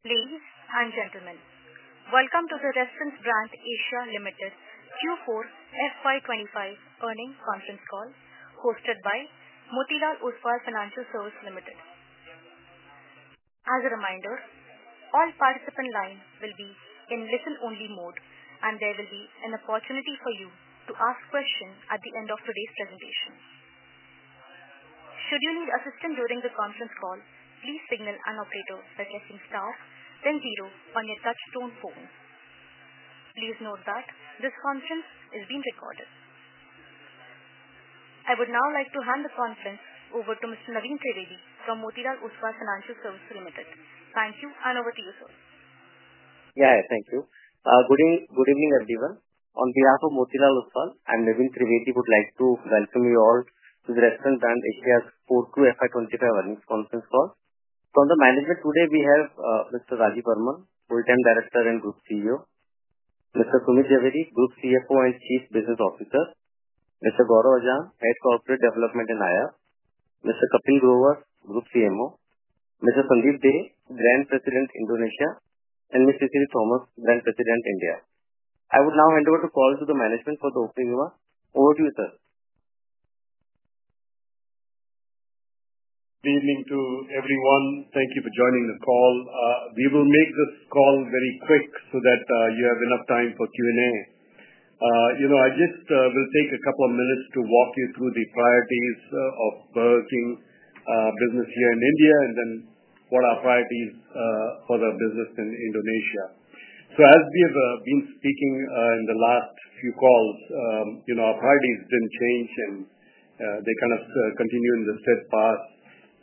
Ladies and gentlemen, welcome to the Restaurant Brands Asia Limited Q4 FY 2025 Earnings Conference Call, hosted by Motilal Oswal Financial Services Limited. As a reminder, all participants' lines will be in listen-only mode, and there will be an opportunity for you to ask questions at the end of today's presentation. Should you need assistance during the conference call, please signal an operator such as team staff, then zero on your touch-tone phone. Please note that this conference is being recorded. I would now like to hand the conference over to Mr. Naveen Trivedi from Motilal Oswal Financial Services Limited. Thank you, and over to you, sir. Yeah, thank you. Good evening, everyone. On behalf of Motilal Oswal, I'm Naveen Trivedi. I would like to welcome you all to the Restaurant Brands Asia Q4 FY 2025 earnings conference call. From the management, today we have Mr. Rajeev Varman, Full-Time Director and Group CEO, Mr. Sumit Zaveri, Group CFO and Chief Business Officer, Mr. Gaurav Ajjan, Head Corporate Development and IR, Mr. Kapil Grover, Group CMO, Mr. Sandeep Dey, Brands President, Indonesia, and Mr. Siri Thomas, Brands President, India. I would now hand over the call to the management for the opening remarks. Over to you, sir. Good evening to everyone. Thank you for joining the call. We will make this call very quick so that you have enough time for Q&A. I just will take a couple of minutes to walk you through the priorities of working business here in India, and then what are our priorities for the business in Indonesia. As we have been speaking in the last few calls, our priorities did not change, and they kind of continue in the steadfast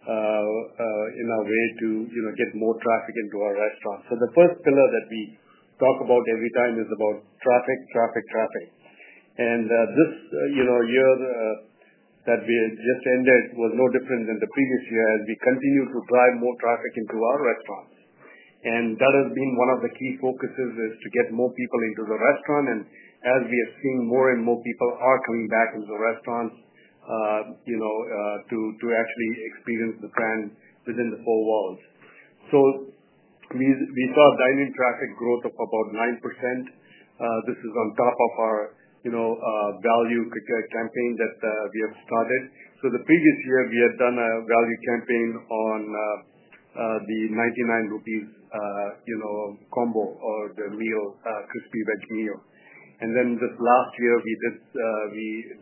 way to get more traffic into our restaurants. The first pillar that we talk about every time is about traffic, traffic, traffic. This year that we just ended was no different than the previous year, as we continue to drive more traffic into our restaurants. That has been one of the key focuses: to get more people into the restaurant. As we are seeing, more and more people are coming back into the restaurants to actually experience the brand within the four walls. We saw a dine-in traffic growth of about 9%. This is on top of our value campaign that we have started. The previous year, we had done a value campaign on the 99 rupees combo or the crispy veg meal. This last year, we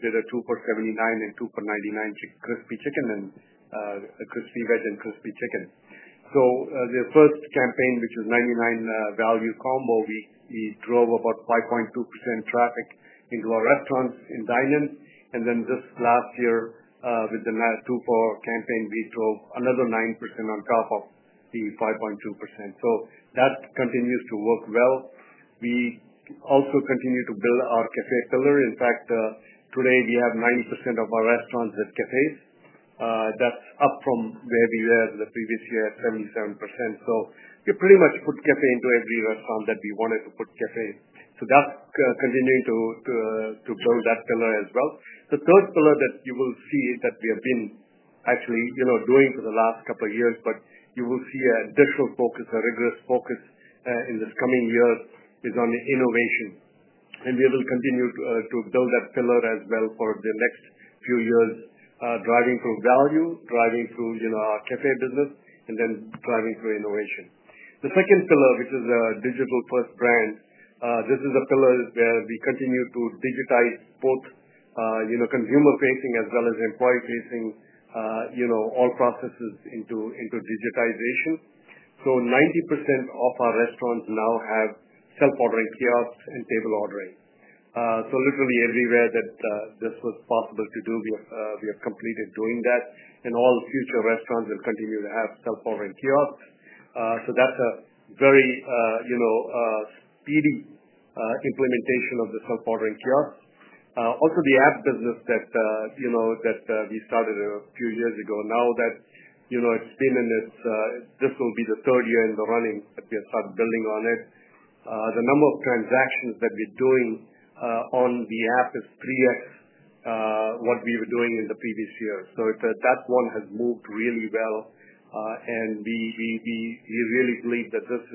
did a 2 for 79 and 2 for 99 crispy chicken and crispy veg and crispy chicken. The first campaign, which was the 99 value combo, drove about 5.2% traffic into our restaurants and dine-in. This last year, with the 2 for campaign, we drove another 9% on top of the 5.2%. That continues to work well. We also continue to build our café pillar. In fact, today we have 90% of our restaurants as cafés. That's up from where we were the previous year at 77%. We pretty much put café into every restaurant that we wanted to put café. That's continuing to build that pillar as well. The third pillar that you will see that we have been actually doing for the last couple of years, but you will see an additional focus, a rigorous focus in this coming year, is on innovation. We will continue to build that pillar as well for the next few years, driving through value, driving through our café business, and then driving through innovation. The second pillar, which is Digital First Brands, this is a pillar where we continue to digitize both consumer-facing as well as employee-facing all processes into digitization. 90% of our restaurants now have self-ordering kiosks and table ordering. Literally everywhere that this was possible to do, we have completed doing that. All future restaurants will continue to have self-ordering kiosks. That is a very speedy implementation of the self-ordering kiosks. Also, the app business that we started a few years ago, now that it has been in its—this will be the third year in the running that we have started building on it. The number of transactions that we are doing on the app is 3X what we were doing in the previous year. That one has moved really well, and we really believe that this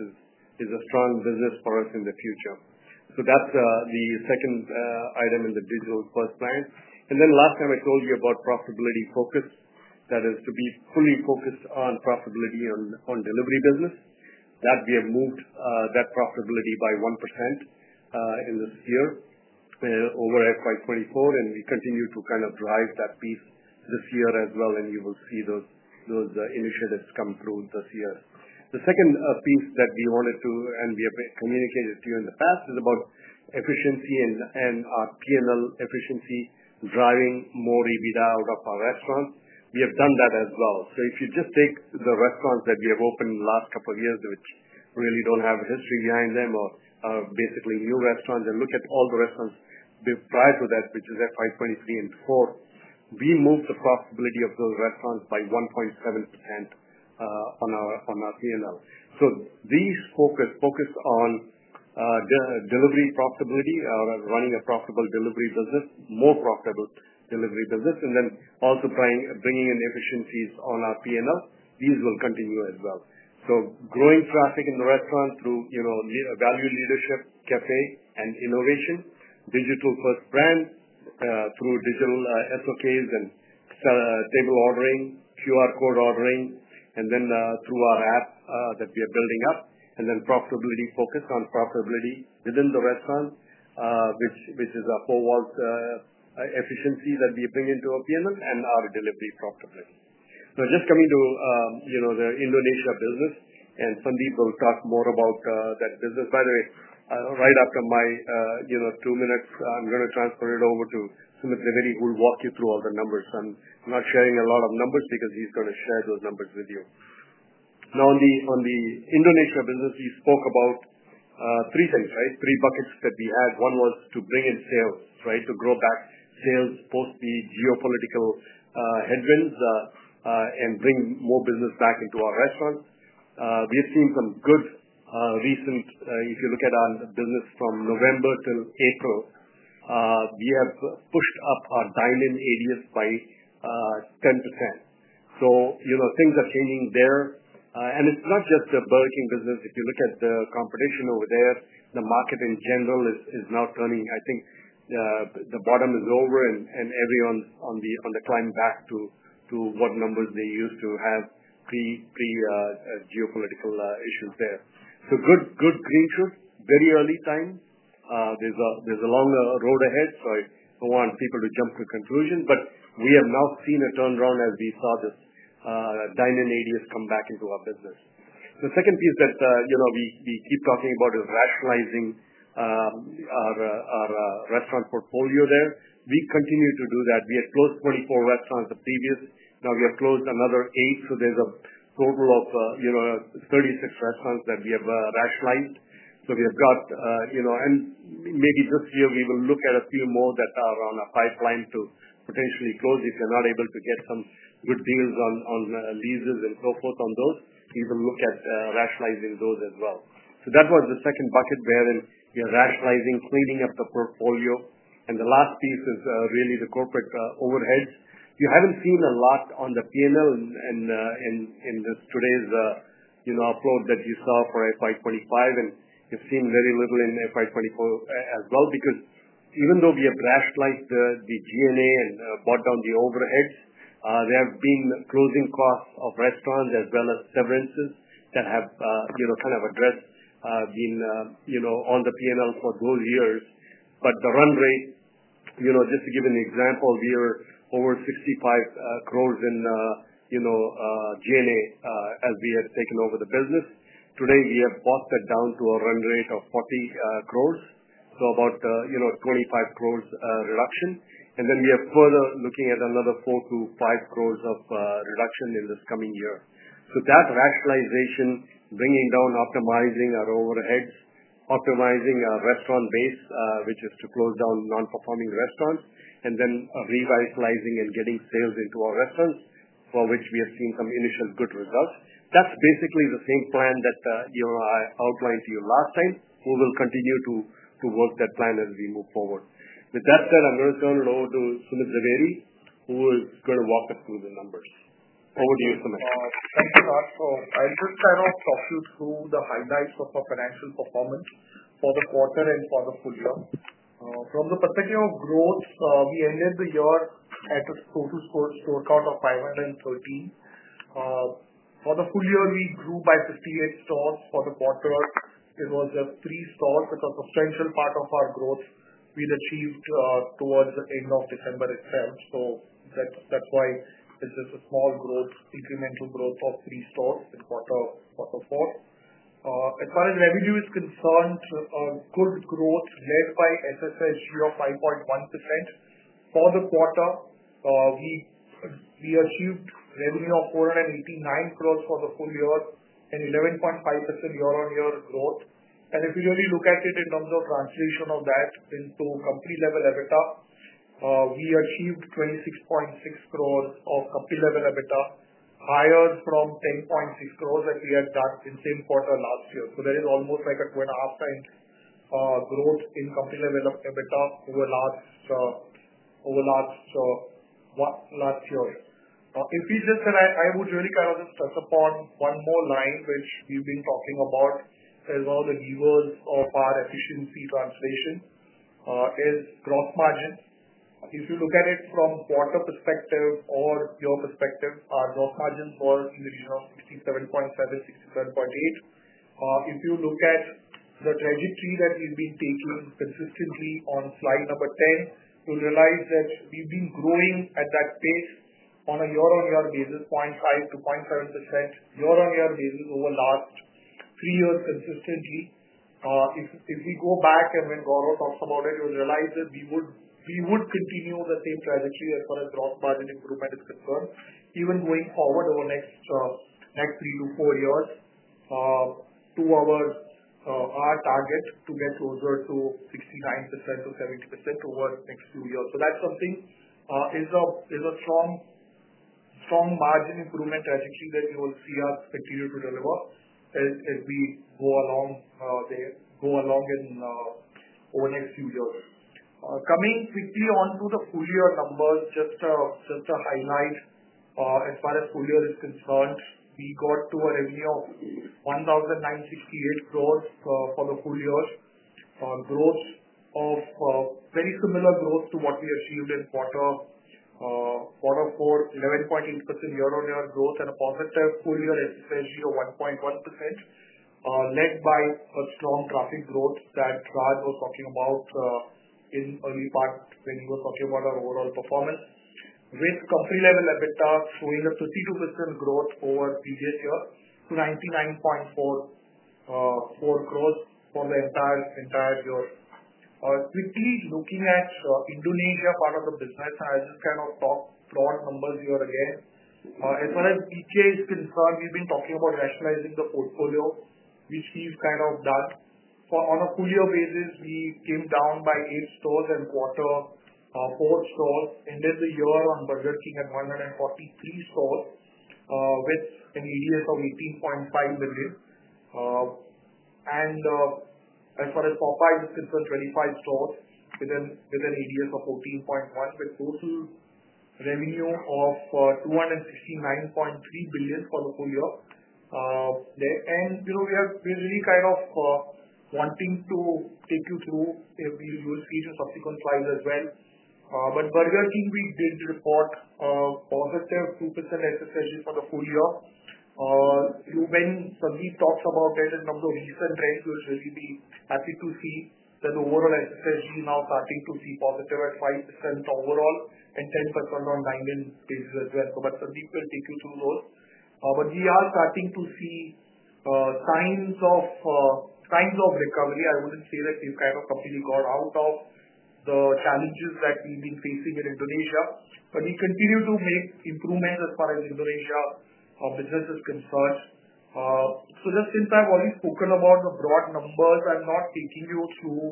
is a strong business for us in the future. That is the second item in the Digital First Brands. Last time, I told you about profitability focus, that is to be fully focused on profitability on delivery business. That we have moved that profitability by 1% in this year over FY 2024, and we continue to kind of drive that piece this year as well, and you will see those initiatives come through this year. The second piece that we wanted to, and we have communicated to you in the past, is about efficiency and our P&L efficiency, driving more EBITDA out of our restaurants. We have done that as well. If you just take the restaurants that we have opened in the last couple of years, which really do not have a history behind them, or basically new restaurants, and look at all the restaurants prior to that, which is FY 2023 and Q4, we moved the profitability of those restaurants by 1.7% on our P&L. These focus on delivery profitability or running a profitable delivery business, more profitable delivery business, and then also bringing in efficiencies on our P&L. These will continue as well. Growing traffic in the restaurant through value leadership, café, and innovation, Digital First Brands through digital SOKs and table ordering, QR code ordering, and then through our app that we are building up, and then profitability focus on profitability within the restaurant, which is a four-wall efficiency that we bring into our P&L and our delivery profitability. Just coming to the Indonesia business, and Sandeep will talk more about that business. By the way, right after my two minutes, I'm going to transfer it over to Sumit Zaveri, who will walk you through all the numbers. I'm not sharing a lot of numbers because he's going to share those numbers with you. Now, on the Indonesia business, we spoke about three things, right? Three buckets that we had. One was to bring in sales, right? To grow back sales post the geopolitical headwinds and bring more business back into our restaurants. We have seen some good recent—if you look at our business from November till April, we have pushed up our dining areas by 10%. Things are changing there. It is not just the Burger King business. If you look at the competition over there, the market in general is now turning. I think the bottom is over, and everyone's on the climb back to what numbers they used to have pre-geopolitical issues there. Good green shoot, very early signs. There's a long road ahead, so I don't want people to jump to conclusions, but we have now seen a turnaround as we saw the dining areas come back into our business. The second piece that we keep talking about is rationalizing our restaurant portfolio there. We continue to do that. We had closed 24 restaurants the previous. Now, we have closed another eight, so there's a total of 36 restaurants that we have rationalized. We have got—and maybe this year we will look at a few more that are on our pipeline to potentially close. If you're not able to get some good deals on leases and so forth on those, we will look at rationalizing those as well. That was the second bucket wherein we are rationalizing, cleaning up the portfolio. The last piece is really the corporate overheads. You have not seen a lot on the P&L in today's upload that you saw for FY 2025, and you have seen very little in FY 2024 as well. Because even though we have rationalized the G&A and brought down the overheads, there have been closing costs of restaurants as well as severances that have kind of addressed being on the P&L for those years. The run rate, just to give an example, we were over 65 crores in G&A as we had taken over the business. Today, we have brought that down to a run rate of 40 crores, so about 25 crores reduction. We are further looking at another 4 crores-5 crores of reduction in this coming year. That rationalization, bringing down, optimizing our overheads, optimizing our restaurant base, which is to close down non-performing restaurants, and then revitalizing and getting sales into our restaurants, for which we have seen some initial good results. That is basically the same plan that I outlined to you last time. We will continue to work that plan as we move forward. With that said, I am going to turn it over to Sumit Zaveri, who is going to walk us through the numbers. Over to you, Sumit. Thank you, Raj. I'll just kind of talk you through the highlights of our financial performance for the quarter and for the full year. From the perspective of growth, we ended the year at a total store count of 513. For the full year, we grew by 58 stores. For the quarter, it was just three stores because a substantial part of our growth we had achieved towards the end of December itself. That is why it is just a small growth, incremental growth of three stores in quarter four. As far as revenue is concerned, good growth led by SSSG of 5.1%. For the quarter, we achieved revenue of 489 crore for the full year and 11.5% year-on-year growth. If you really look at it in terms of translation of that into company-level EBITDA, we achieved 26.6 crores of company-level EBITDA, higher from 10.6 crores that we had done in the same quarter last year. That is almost like a two-and-a-half times growth in company-level EBITDA over last year. If we just—and I would really kind of just touch upon one more line, which we've been talking about as one of the levers of our efficiency translation, is gross margins. If you look at it from quarter perspective or your perspective, our gross margins were in the region of 67.7%, 67.8%. If you look at the trajectory that we've been taking consistently on slide number 10, you'll realize that we've been growing at that pace on a year-on-year basis, 0.5% to 0.7% year-on-year basis over the last three years consistently. If we go back and when Gaurav talks about it, you'll realize that we would continue the same trajectory as far as gross margin improvement is concerned, even going forward over the next three to four years, to our target to get closer to 69%-70% over the next few years. That's something, it's a strong margin improvement trajectory that you will see us continue to deliver as we go along over the next few years. Coming quickly onto the full year numbers, just a highlight as far as full year is concerned. We got to a revenue of 1,968 crore for the full year, very similar growth to what we achieved in quarter four, 11.8% year-on-year growth, and a positive full year SSSG of 1.1%, led by a strong traffic growth that Rajeev was talking about in the early part when he was talking about our overall performance, with company-level EBITDA showing a 52% growth over the previous year to 99.4 crore for the entire year. Quickly looking at the Indonesia part of the business, and I'll just kind of talk broad numbers here again. As far as EBITDA is concerned, we've been talking about rationalizing the portfolio, which we've kind of done. On a full year basis, we came down by eight stores and quarter four stores. Ended the year on Burger King at 143 stores, with an ADS of 18.5 million. As far as Popeyes is concerned, 25 stores with an ADS of 14.1 million, with total revenue of 269.3 billion for the full year. We are really kind of wanting to take you through, if you will see it in subsequent slides as well. Burger King, we did report positive 2% SSSG for the full year. When Sandeep talks about it in terms of recent trends, we will really be happy to see that overall SSSG now starting to see positive at 5% overall and 10% on dining basis as well. Sandeep will take you through those. We are starting to see signs of recovery. I would not say that we have kind of completely got out of the challenges that we have been facing in Indonesia, but we continue to make improvements as far as Indonesia business is concerned. Just since I've already spoken about the broad numbers, I'm not taking you through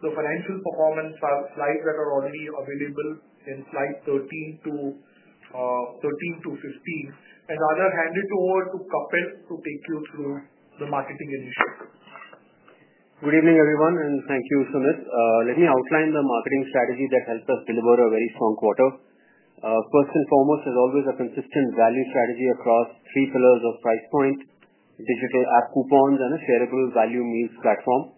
the financial performance slides that are already available in slide 13 to 15. Rather, hand it over to Kapil to take you through the marketing initiative. Good evening, everyone, and thank you, Sumit. Let me outline the marketing strategy that helped us deliver a very strong quarter. First and foremost, as always, a consistent value strategy across three pillars of price point, digital app coupons, and a shareable value meals platform.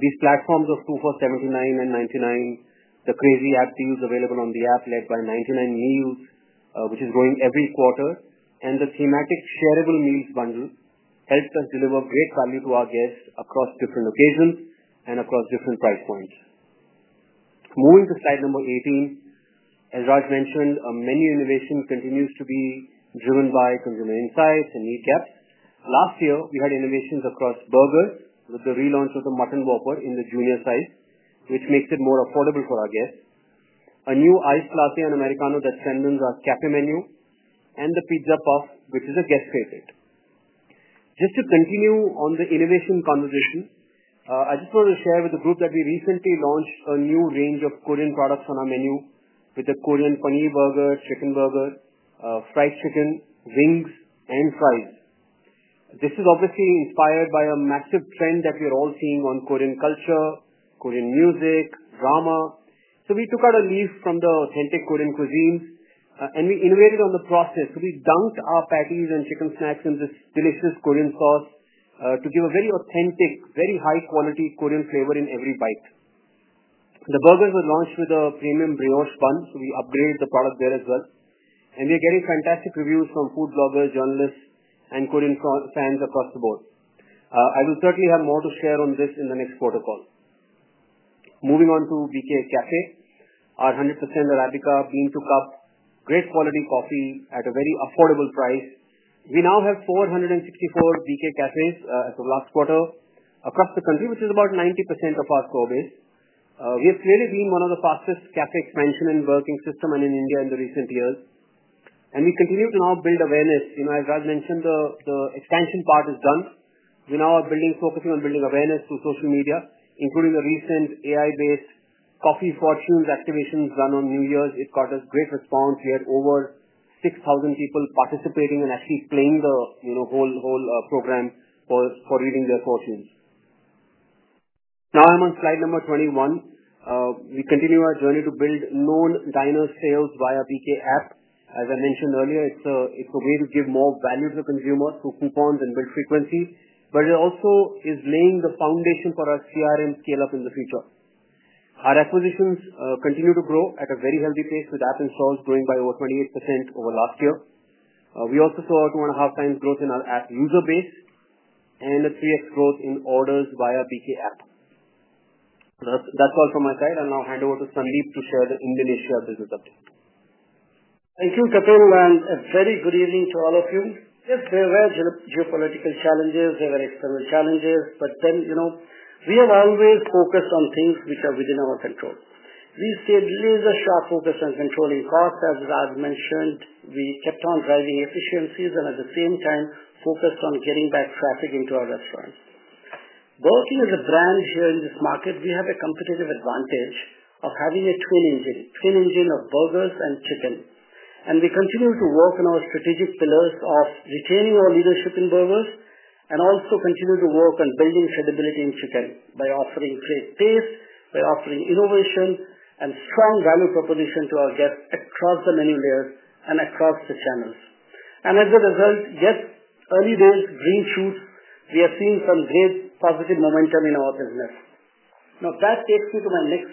These platforms of 2 for 79 and 99, the crazy app deals available on the app led by 99 meals, which is growing every quarter, and the thematic shareable meals bundle helped us deliver great value to our guests across different occasions and across different price points. Moving to slide number 18, as Raj mentioned, menu innovation continues to be driven by consumer insights and need gaps. Last year, we had innovations across burgers with the relaunch of the Junior Mutton Whopper, which makes it more affordable for our guests. A new iced latte and Americano that stand on our Cafe menu, and the Pizza Puff, which is a guest favorite. Just to continue on the innovation conversation, I just wanted to share with the group that we recently launched a new range of Korean products on our menu with the Korean Paneer Burger, Chicken Burger, Fried Chicken Wings, and Fries. This is obviously inspired by a massive trend that we are all seeing on Korean culture, Korean music, drama. We took out a leaf from the authentic Korean cuisines, and we innovated on the process. We dunked our patties and chicken snacks in this delicious Korean sauce to give a very authentic, very high-quality Korean flavor in every bite. The burgers were launched with a premium brioche bun, so we upgraded the product there as well. We are getting fantastic reviews from food bloggers, journalists, and Korean fans across the board. I will certainly have more to share on this in the next protocol. Moving on to BK Cafe, our 100% Arabica bean to cup, great quality coffee at a very affordable price. We now have 464 BK Cafes as of last quarter across the country, which is about 90% of our store base. We have clearly been one of the fastest cafe expansion and working systems in India in recent years. We continue to now build awareness. As Raj mentioned, the expansion part is done. We now are focusing on building awareness through social media, including the recent AI-based coffee fortunes activations done on New Year's. It got us great response. We had over 6,000 people participating and actually playing the whole program for reading their fortunes. Now I'm on slide number 21. We continue our journey to build known diner sales via BK app. As I mentioned earlier, it's a way to give more value to the consumers through coupons and build frequency, but it also is laying the foundation for our CRM scale-up in the future. Our acquisitions continue to grow at a very healthy pace with app installs growing by over 28% over last year. We also saw a two-and-a-half times growth in our app user base and a 3x growth in orders via BK app. That's all from my side. I'll now hand over to Sandeep to share the Indonesia business update. Thank you, Kapil, and a very good evening to all of you. Yes, there were geopolitical challenges. There were external challenges, but we have always focused on things which are within our control. We stayed laser-sharp focused on controlling costs. As Raj mentioned, we kept on driving efficiencies and at the same time focused on getting back traffic into our restaurants. Burger King is a brand here in this market. We have a competitive advantage of having a twin engine, twin engine of burgers and chicken. We continue to work on our strategic pillars of retaining our leadership in burgers and also continue to work on building credibility in chicken by offering great taste, by offering innovation, and strong value proposition to our guests across the menu layers and across the channels. Yes, early days, green shoots, we have seen some great positive momentum in our business. That takes me to my next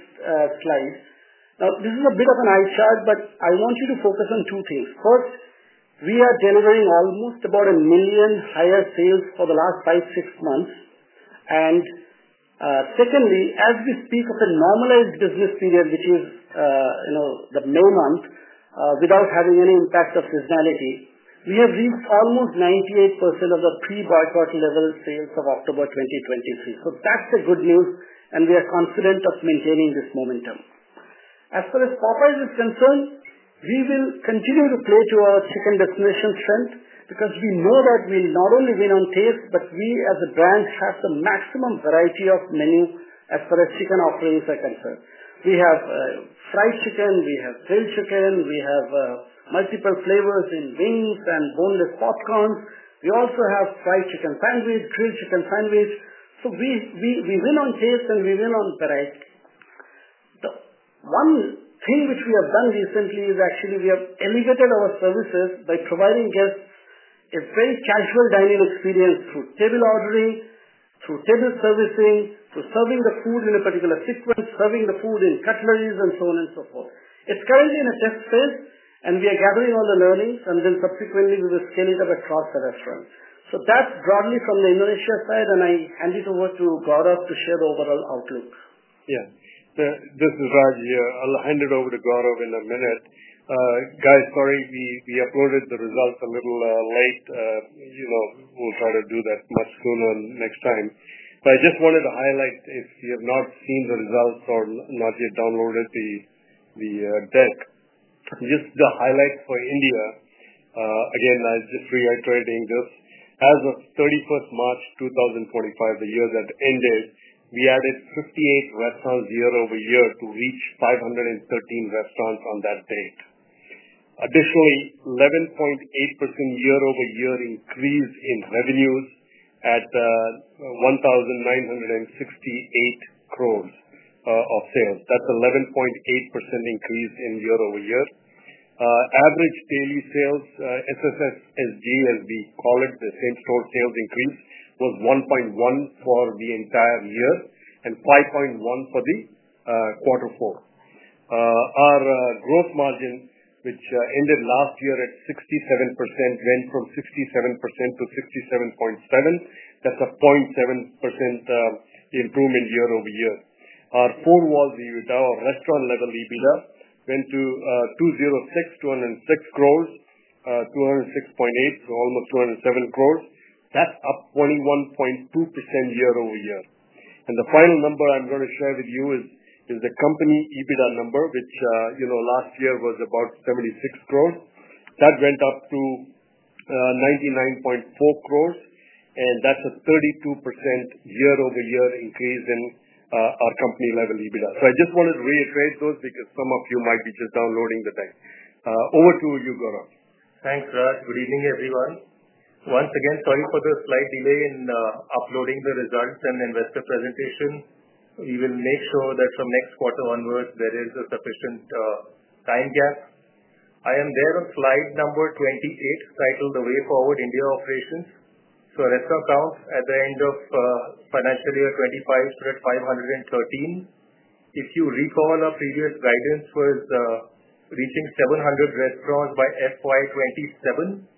slide. This is a bit of an eye chart, but I want you to focus on two things. First, we are delivering almost about 1 million higher sales for the last five-six months. Secondly, as we speak of a normalized business period, which is the May month, without having any impact of seasonality, we have reached almost 98% of the pre-boarded level sales of October 2023. That is the good news, and we are confident of maintaining this momentum. As far as Popeyes is concerned, we will continue to play to our chicken destination strength because we know that we'll not only win on taste, but we as a brand have the maximum variety of menu as far as chicken offerings are concerned. We have fried chicken. We have grilled chicken. We have multiple flavors in wings and boneless popcorns. We also have fried chicken sandwich, grilled chicken sandwich. So we win on taste, and we win on variety. The one thing which we have done recently is actually we have elevated our services by providing guests a very casual dining experience through table ordering, through table servicing, through serving the food in a particular sequence, serving the food in cutleries, and so on and so forth. It's currently in a test phase, and we are gathering all the learnings, and then subsequently, we will scale it up across the restaurants. That's broadly from the Indonesia side, and I hand it over to Gaurav to share the overall outlook. Yeah. This is Raj here. I'll hand it over to Gaurav in a minute. Guys, sorry, we uploaded the results a little late. We'll try to do that much sooner next time. I just wanted to highlight, if you have not seen the results or not yet downloaded the deck, just the highlight for India. Again, I'm just reiterating this. As of 31 March 2025, the year that ended, we added 58 restaurants year over year to reach 513 restaurants on that date. Additionally, 11.8% year over year increase in revenues at 1,968 crore of sales. That's 11.8% increase year over year. Average daily sales, SSSG, as we call it, the same store sales increase was 1.1% for the entire year and 5.1% for quarter four. Our gross margin, which ended last year at 67%, went from 67% to 67.7%. That's a 0.7% improvement year over year. Our four-wall, our restaurant level EBITDA went to 206 crore, 206.8 crore, so almost 207 crore. That's up 21.2% year over year. The final number I'm going to share with you is the company EBITDA number, which last year was about 76 crore. That went up to 99.4 crore, and that's a 32% year over year increase in our company level EBITDA. I just wanted to reiterate those because some of you might be just downloading the deck. Over to you, Gaurav. Thanks, Raj. Good evening, everyone. Once again, sorry for the slight delay in uploading the results and investor presentation. We will make sure that from next quarter onwards, there is a sufficient time gap. I am there on slide number 28, titled The Way Forward India Operations. Restaurant count at the end of financial year 2025 stood at 513. If you recall, our previous guidance was reaching 700 restaurants by FY 2027.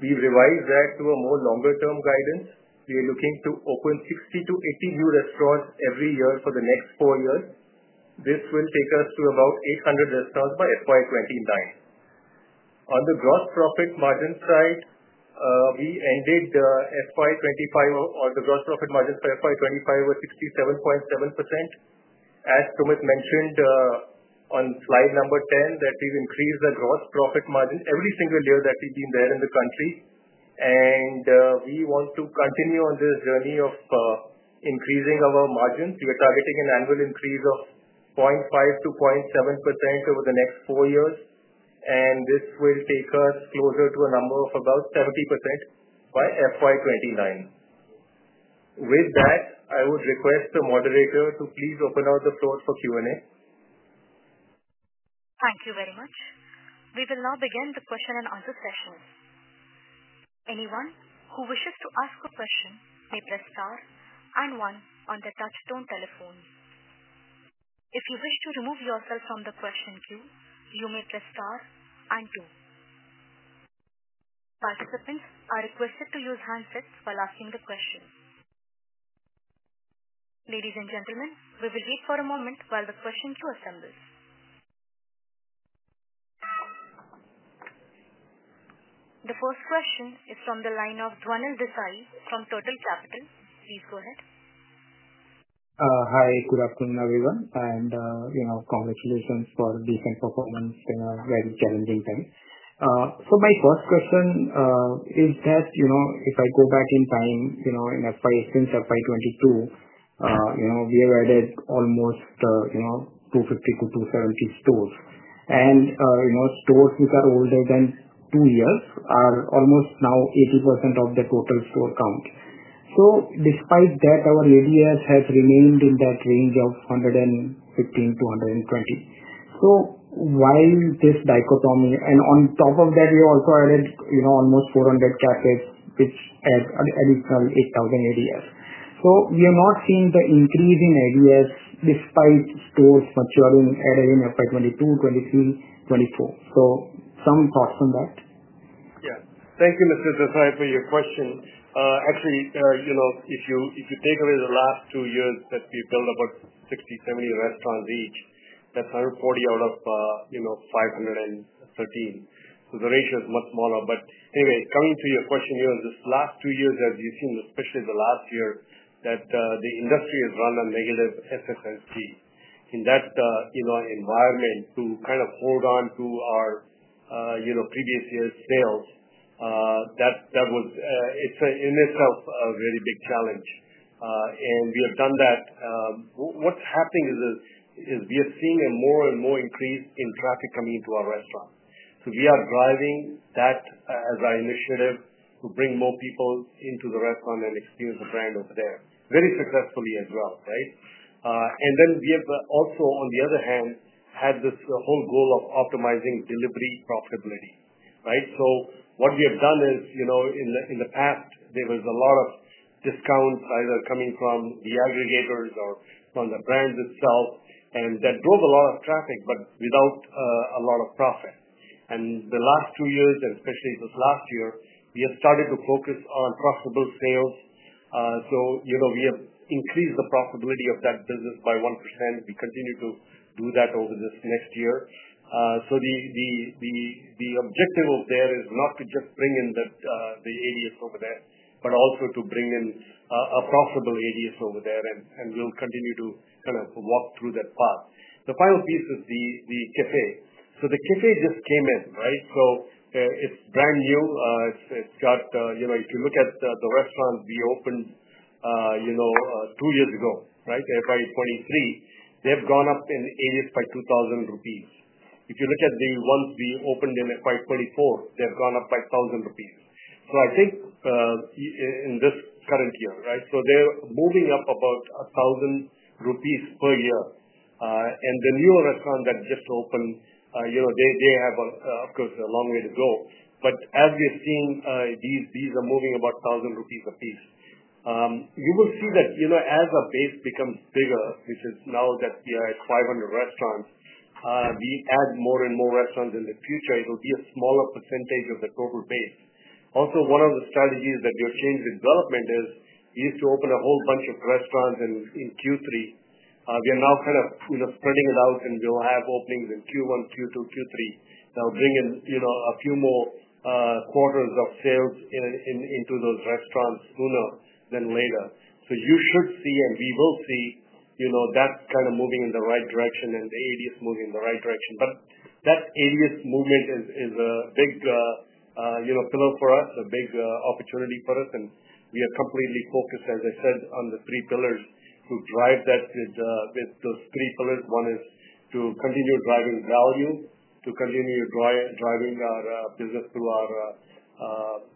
We revised that to a more longer-term guidance. We are looking to open 60-80 new restaurants every year for the next four years. This will take us to about 800 restaurants by FY 2029. On the gross profit margin side, we ended FY 2025, or the gross profit margin for FY 2025 was 67.7%. As Sumit mentioned on slide number 10, we have increased the gross profit margin every single year that we have been there in the country. We want to continue on this journey of increasing our margins. We are targeting an annual increase of 0.5%-0.7% over the next four years. This will take us closer to a number of about 70% by FY 2029. With that, I would request the moderator to please open out the floor for Q&A. Thank you very much. We will now begin the question and answer session. Anyone who wishes to ask a question may press star and one on the touch-tone telephone. If you wish to remove yourself from the question queue, you may press star and two. Participants are requested to use handsets while asking the question. Ladies and gentlemen, we will wait for a moment while the question queue assembles. The first question is from the line of Dhwanil Desai from Turtle Capital. Please go ahead. Hi, good afternoon, everyone. Congratulations for decent performance in a very challenging time. My first question is that if I go back in time, since FY 2022, we have added almost 250-270 stores. Stores which are older than two years are almost now 80% of the total store count. Despite that, our ADS has remained in that range of 115-120. Why this dichotomy? On top of that, we also added almost 400 cafes, which adds an additional 8,000 ADS. We have not seen the increase in ADS despite stores maturing at FY 2022, 2023, 2024. Some thoughts on that? Yeah. Thank you, Mr. Desai, for your question. Actually, if you take away the last two years that we built about 60-70 restaurants each, that's 140 out of 513. So the ratio is much smaller. Anyway, coming to your question, this last two years, as you've seen, especially the last year, the industry has run on negative SSSG. In that environment, to kind of hold on to our previous year's sales, that was in itself a very big challenge. We have done that. What's happening is we have seen a more and more increase in traffic coming into our restaurants. We are driving that as our initiative to bring more people into the restaurant and experience the brand over there, very successfully as well, right? We have also, on the other hand, had this whole goal of optimizing delivery profitability, right? What we have done is in the past, there was a lot of discounts either coming from the aggregators or from the brands itself, and that drove a lot of traffic, but without a lot of profit. In the last two years, and especially this last year, we have started to focus on profitable sales. We have increased the profitability of that business by 1%. We continue to do that over this next year. The objective over there is not to just bring in the ADS over there, but also to bring in a profitable ADS over there. We will continue to kind of walk through that path. The final piece is the cafe. The cafe just came in, right? It is brand new. If you look at the restaurants we opened two years ago, right, FY 2023, they have gone up in ADS by 2,000 rupees. If you look at the ones we opened in FY 2024, they've gone up by 1,000 rupees. I think in this current year, right, they're moving up about 1,000 rupees per year. The new restaurant that just opened, they have, of course, a long way to go. As we're seeing, these are moving about 1,000 rupees apiece. You will see that as our base becomes bigger, which is now that we are at 500 restaurants, we add more and more restaurants in the future. It will be a smaller percentage of the total base. Also, one of the strategies that we have changed with development is we used to open a whole bunch of restaurants in Q3. We are now kind of spreading it out, and we'll have openings in Q1, Q2, Q3. That will bring in a few more quarters of sales into those restaurants sooner than later. You should see, and we will see, that kind of moving in the right direction and the ADS moving in the right direction. That ADS movement is a big pillar for us, a big opportunity for us. We are completely focused, as I said, on the three pillars to drive that with those three pillars. One is to continue driving value, to continue driving our business through our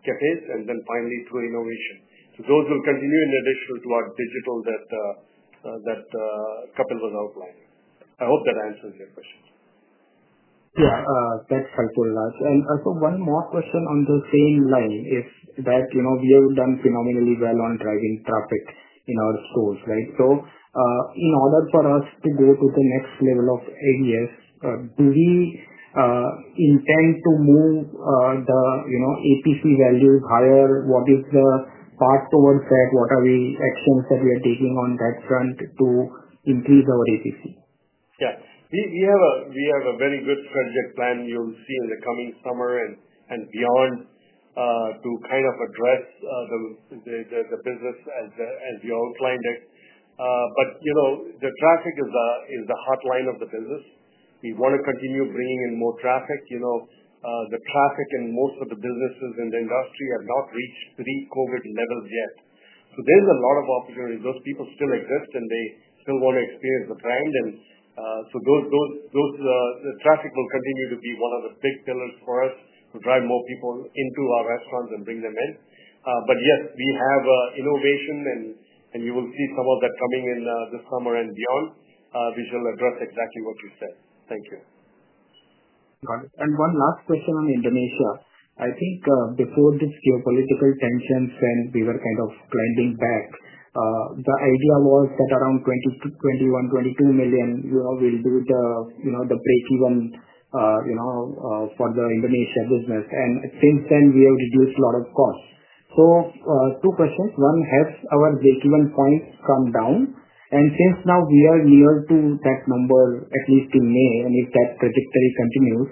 cafes, and then finally through innovation. Those will continue in addition to our digital that Kapil was outlining. I hope that answers your question. Yeah. That's helpful, Raj. I've got one more question on the same line, is that we have done phenomenally well on driving traffic in our stores, right? In order for us to go to the next level of ADS, do we intend to move the APC value higher? What is the path towards that? What are the actions that we are taking on that front to increase our APC? Yeah. We have a very good strategic plan you'll see in the coming summer and beyond to kind of address the business as we outlined it. The traffic is the hotline of the business. We want to continue bringing in more traffic. The traffic in most of the businesses in the industry have not reached pre-COVID levels yet. There is a lot of opportunities. Those people still exist, and they still want to experience the brand. The traffic will continue to be one of the big pillars for us to drive more people into our restaurants and bring them in. Yes, we have innovation, and you will see some of that coming in this summer and beyond, which will address exactly what you said. Thank you. Got it. One last question on Indonesia. I think before these geopolitical tensions, when we were kind of climbing back, the idea was that around 21 million - 22 million will do the break-even for the Indonesia business. Since then, we have reduced a lot of costs. Two questions. One, has our break-even point come down? Since now we are near to that number, at least in May, and if that trajectory continues,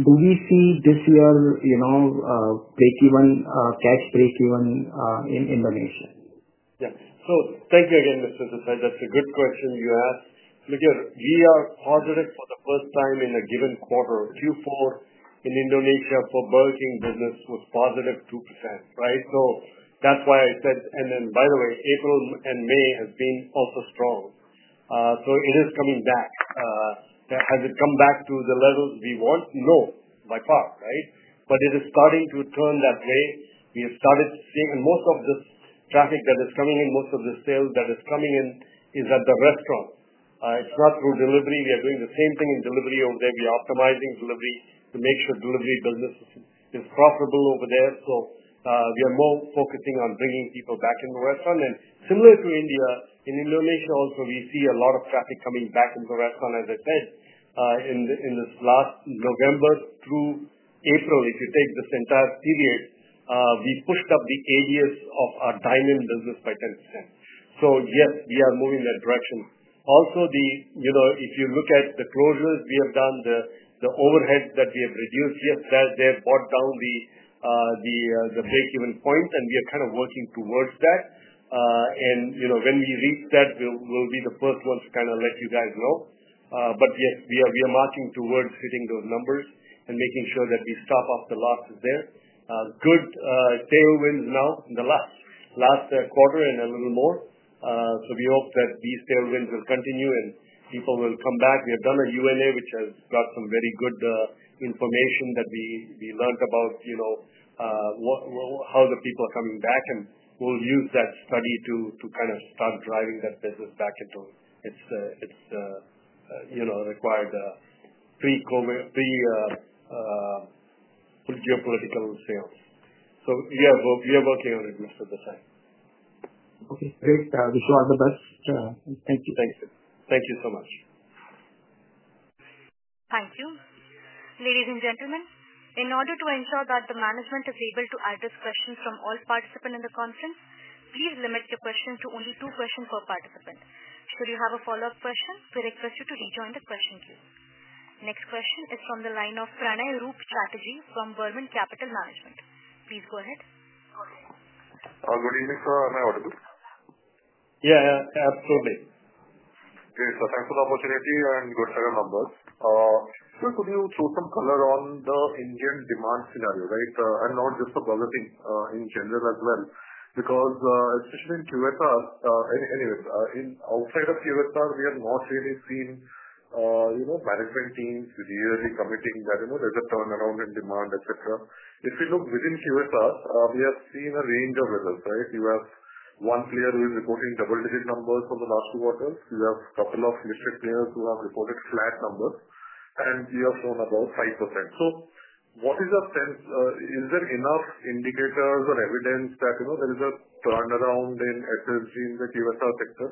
do we see this year break-even, cash break-even in Indonesia? Yeah. Thank you again, Mr. Desai. That's a good question you asked. Look here, we are positive for the first time in a given quarter. Q4 in Indonesia for Burger King business was positive 2%, right? That's why I said. By the way, April and May have been also strong. It is coming back. Has it come back to the levels we want? No, by far, right? It is starting to turn that way. We have started to see, and most of this traffic that is coming in, most of the sales that is coming in is at the restaurant. It's not through delivery. We are doing the same thing in delivery over there. We are optimizing delivery to make sure delivery business is profitable over there. We are more focusing on bringing people back into the restaurant. Similar to India, in Indonesia also, we see a lot of traffic coming back into the restaurant, as I said, in this last November through April. If you take this entire period, we pushed up the ADS of our diamond business by 10%. Yes, we are moving in that direction. Also, if you look at the closures, we have done the overhead that we have reduced. Yes, they have brought down the break-even point, and we are kind of working towards that. When we reach that, we will be the first ones to let you guys know. Yes, we are marking towards hitting those numbers and making sure that we stop up the losses there. Good tailwinds now in the last quarter and a little more. We hope that these tailwinds will continue and people will come back. We have done a UNA, which has got some very good information that we learned about how the people are coming back. We will use that study to kind of start driving that business back into its required pre-COVID, pre-geopolitical sales. Yeah, we are working on it, Mr. Desai. Okay. Great. Wish you all the best. Thank you. Thank you. Thank you so much. Thank you. Ladies and gentlemen, in order to ensure that the management is able to address questions from all participants in the conference, please limit your question to only two questions per participant. Should you have a follow-up question, we request you to rejoin the question queue. Next question is from the line of Pranay Roop Chatterjee from Burman Capital Management. Please go ahead. Good evening, sir. May I order? Yeah, absolutely. Great. Thanks for the opportunity and good to have your numbers. Could you throw some color on the Indian demand scenario, right? Not just for Bharati, in general as well, because especially in QSR, anyways, outside of QSR, we have not really seen management teams really committing that there is a turnaround in demand, etc. If we look within QSR, we have seen a range of results, right? You have one player who is reporting double-digit numbers for the last two quarters. You have a couple of listed players who have reported flat numbers, and you have shown about 5%. What is your sense? Is there enough indicators or evidence that there is a turnaround in SSG in the QSR sector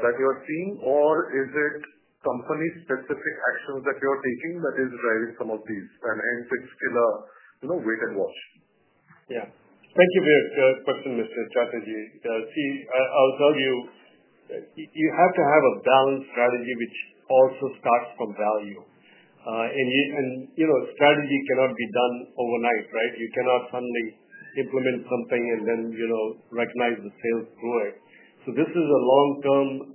that you are seeing, or is it company-specific actions that you are taking that is driving some of these? It's still a wait and watch. Yeah. Thank you for your question, Mr. Chatterjee. See, I'll tell you, you have to have a balanced strategy, which also starts from value. Strategy cannot be done overnight, right? You cannot suddenly implement something and then recognize the sales through it. This is a long-term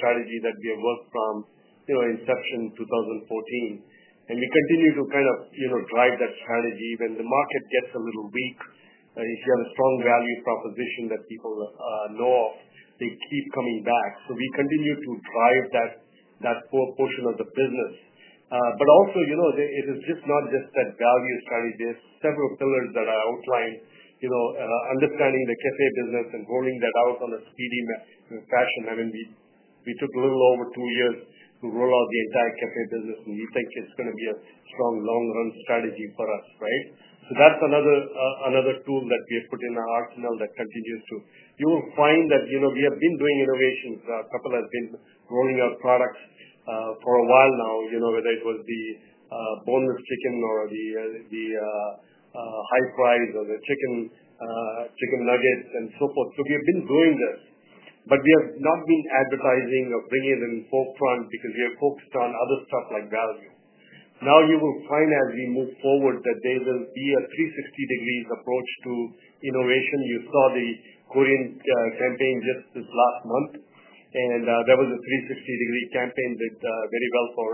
strategy that we have worked from inception 2014. We continue to kind of drive that strategy when the market gets a little weak. If you have a strong value proposition that people know of, they keep coming back. We continue to drive that portion of the business. It is just not just that value strategy. There are several pillars that are outlined, understanding the cafe business and rolling that out on a speedy fashion. I mean, we took a little over two years to roll out the entire cafe business, and we think it's going to be a strong long-run strategy for us, right? So that's another tool that we have put in our arsenal that continues to. You will find that we have been doing innovations. Kapil has been rolling out products for a while now, whether it was the boneless chicken or the high price or the chicken nuggets and so forth. So we have been doing this. But we have not been advertising or bringing it in forefront because we have focused on other stuff like value. Now you will find as we move forward that there will be a 360-degree approach to innovation. You saw the Korean campaign just this last month, and that was a 360-degree campaign that did very well for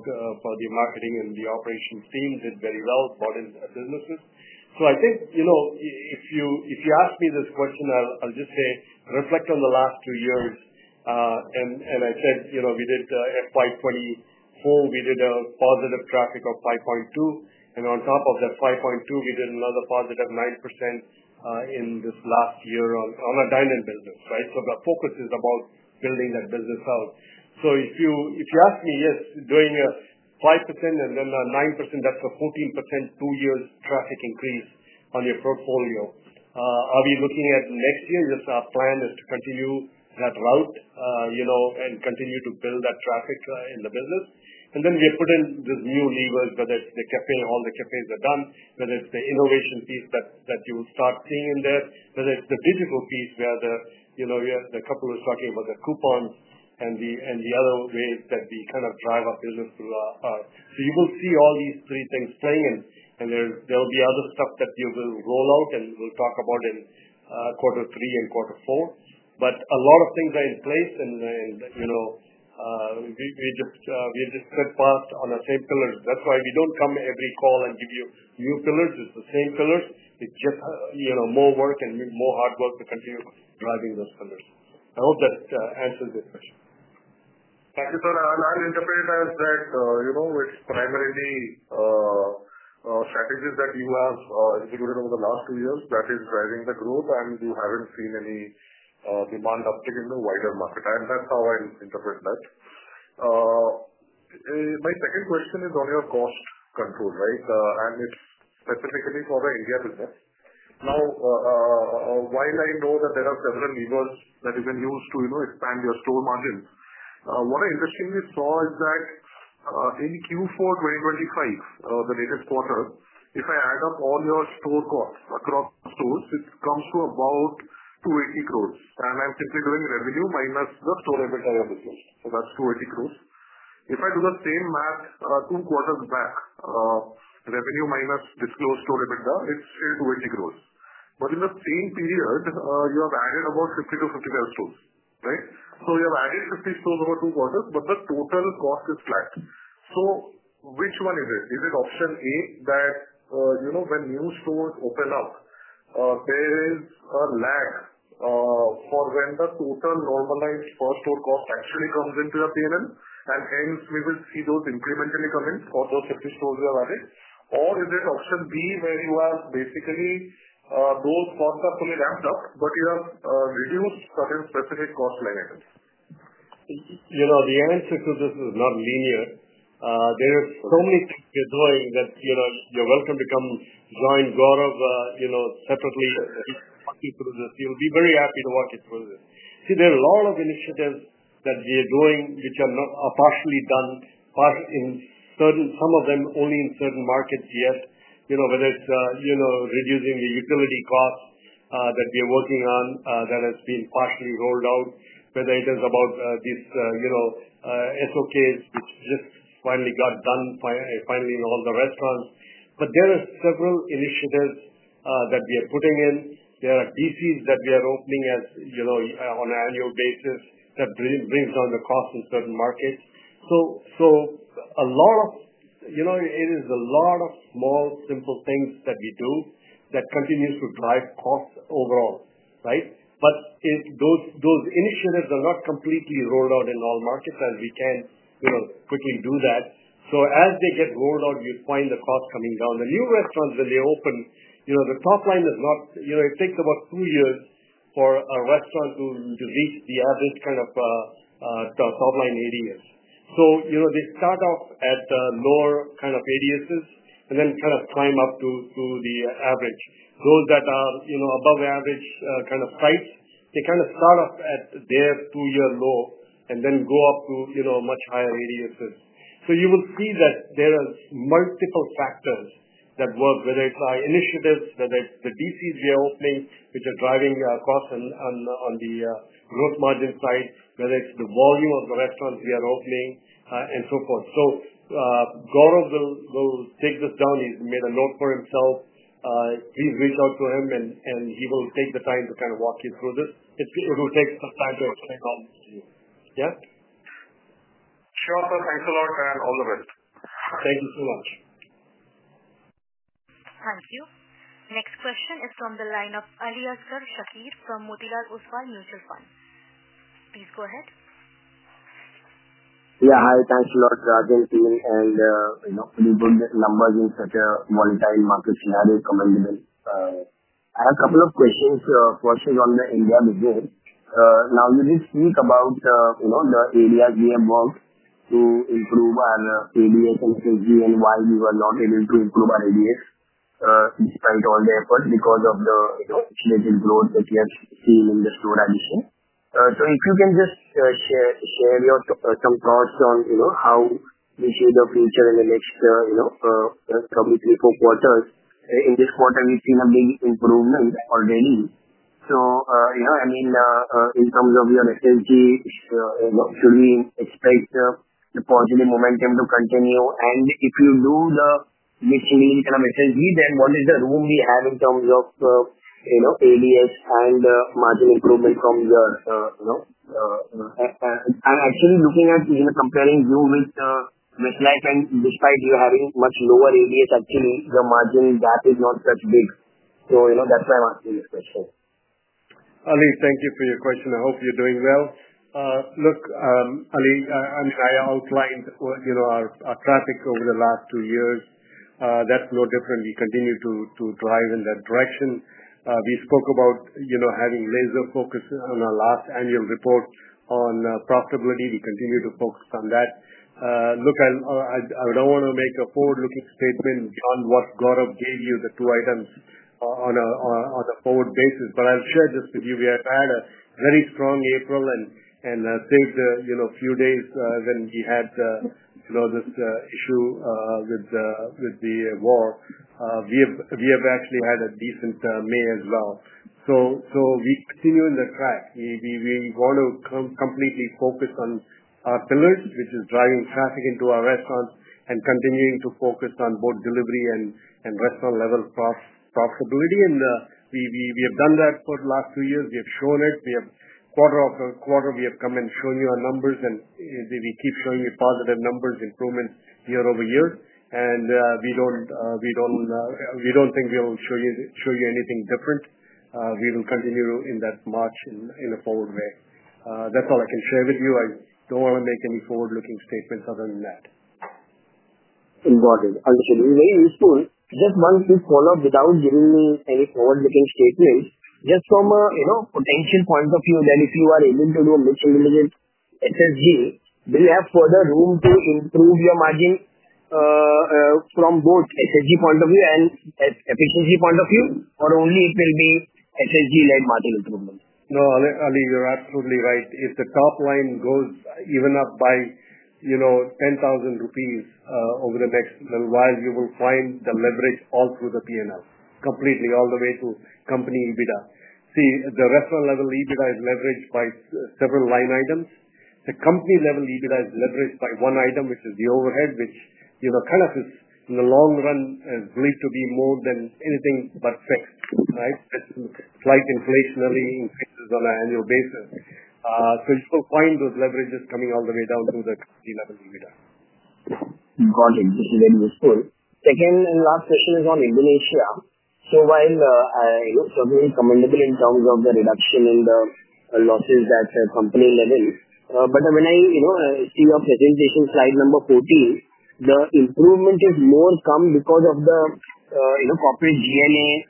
the marketing and the operations team, did very well, brought in business. I think if you ask me this question, I'll just say reflect on the last two years. I said we did FY 2024, we did a positive traffic of 5.2%. On top of that 5.2%, we did another positive 9% in this last year on our diamond business, right? The focus is about building that business out. If you ask me, yes, doing a 5% and then a 9%, that's a 14% two-year traffic increase on your portfolio. Are we looking at next year? Yes, our plan is to continue that route and continue to build that traffic in the business. We have put in these new levers, whether it's the cafe, all the cafes are done, whether it's the innovation piece that you will start seeing in there, whether it's the digital piece where Kapil was talking about the coupons and the other ways that we kind of drive our business through. You will see all these three things playing, and there will be other stuff that we will roll out and we'll talk about in quarter three and quarter four. A lot of things are in place, and we just stepped past on the same pillars. That's why we don't come every call and give you new pillars. It's the same pillars. It's just more work and more hard work to continue driving those pillars. I hope that answers your question. Thank you, sir. I'll interpret it as that it's primarily strategies that you have executed over the last two years that is driving the growth, and you haven't seen any demand uptick in the wider market. That's how I interpret that. My second question is on your cost control, right? It's specifically for the India business. Now, while I know that there are several levers that you can use to expand your store margins, what I interestingly saw is that in Q4 2025, the latest quarter, if I add up all your store costs across stores, it comes to about 280 crore. I'm simply doing revenue minus the store reputable business. That's 280 crore. If I do the same math two quarters back, revenue minus disclosed store reputable, it's still 280 crore. In the same period, you have added about 50-55 stores, right? You have added 50 stores over two quarters, but the total cost is flat. Which one is it? Is it option A that when new stores open up, there is a lag for when the total normalized per store cost actually comes into the payment, and hence we will see those incrementally come in for those 50 stores we have added? Is it option B where you have basically those costs are fully ramped up, but you have reduced certain specific costs like items? The answer to this is not linear. There are so many things we are doing that you're welcome to come join Gaurav separately to walk you through this. He'll be very happy to walk you through this. See, there are a lot of initiatives that we are doing which are partially done, some of them only in certain markets yet, whether it's reducing the utility costs that we are working on that has been partially rolled out, whether it is about these SOKs which just finally got done in all the restaurants. There are several initiatives that we are putting in. There are DCs that we are opening on an annual basis that brings down the cost in certain markets. A lot of it is a lot of small, simple things that we do that continues to drive costs overall, right? Those initiatives are not completely rolled out in all markets, and we can quickly do that. As they get rolled out, you find the costs coming down. The new restaurants, when they open, the top line is not—it takes about two years for a restaurant to reach the average kind of top line radius. They start off at lower kind of radiuses and then kind of climb up to the average. Those that are above average kind of sites, they kind of start off at their two-year low and then go up to much higher radiuses. You will see that there are multiple factors at work, whether it's our initiatives, whether it's the DCs we are opening, which are driving costs on the gross margin side, whether it's the volume of the restaurants we are opening, and so forth. Gaurav will take this down. He's made a note for himself. Please reach out to him, and he will take the time to kind of walk you through this. It will take some time to explain all this to you. Yeah? Sure, sir. Thanks a lot, and all the best. Thank you so much. Thank you. Next question is from the line of Aliasgar Shakir from Motilal Oswal Mutual Fund. Please go ahead. Yeah, hi. Thanks a lot, Raj and team. Looking at numbers in such a volatile market scenario, commendable. I have a couple of questions, first is on the India business. Now, you did speak about the areas we have worked to improve our ADS and SSG and why we were not able to improve our ADS despite all the efforts because of the slated growth that we have seen in the store addition. If you can just share some thoughts on how we see the future in the next probably three, four quarters. In this quarter, we've seen a big improvement already. I mean, in terms of your SSG, should we expect the positive momentum to continue? If you do the mixed mean kind of SSG, then what is the room we have in terms of ADS and margin improvement from your? I'm actually looking at comparing you with Westlife and despite you having much lower ADS, actually your margin gap is not that big. So that's why I'm asking this question. Ali, thank you for your question. I hope you're doing well. Look, Ali, I mean, I outlined our traffic over the last two years. That's no different. We continue to drive in that direction. We spoke about having laser focus on our last annual report on profitability. We continue to focus on that. Look, I don't want to make a forward-looking statement beyond what Gaurav gave you, the two items on a forward basis, but I'll share just with you. We have had a very strong April and, save a few days when we had this issue with the war, we have actually had a decent May as well. We continue in the track. We want to completely focus on our pillars, which is driving traffic into our restaurants and continuing to focus on both delivery and restaurant-level profitability. We have done that for the last two years. We have shown it. Quarter after quarter, we have come and shown you our numbers, and we keep showing you positive numbers, improvements year over year. We do not think we will show you anything different. We will continue in that march in a forward way. That is all I can share with you. I do not want to make any forward-looking statements other than that. Important. Understood. Very useful. Just one quick follow-up. Without giving me any forward-looking statement, just from a potential point of view, then if you are able to do a mixed intelligence SSG, will you have further room to improve your margin from both SSG point of view and efficiency point of view, or only it will be SSG-led margin improvement? No, Ali, you're absolutely right. If the top line goes even up by 10,000 rupees over the next little while, you will find the leverage all through the P&L, completely all the way to company EBITDA. See, the restaurant-level EBITDA is leveraged by several line items. The company-level EBITDA is leveraged by one item, which is the overhead, which kind of is in the long run believed to be more than anything but fixed, right? It's slight inflationary increases on an annual basis. You will find those leverages coming all the way down to the company-level EBITDA. Important. This is very useful. Second and last question is on Indonesia. While certainly commendable in terms of the reduction in the losses that the company led in, when I see your presentation slide number 14, the improvement has more come because of the corporate G&A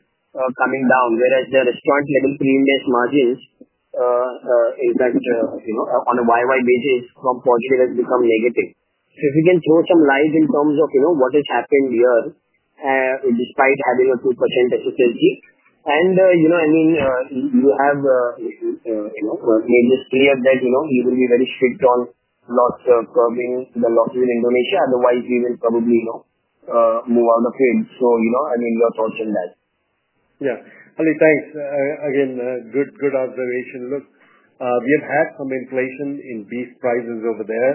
coming down, whereas the restaurant-level pre-index margins is that on a year-over-year basis from positive has become negative. If you can throw some light in terms of what has happened here despite having a 2% SSSG. I mean, you have made this clear that you will be very strict on lots of curbing the losses in Indonesia. Otherwise, we will probably move out of it. I mean, your thoughts on that? Yeah. Ali, thanks. Again, good observation. Look, we have had some inflation in beef prices over there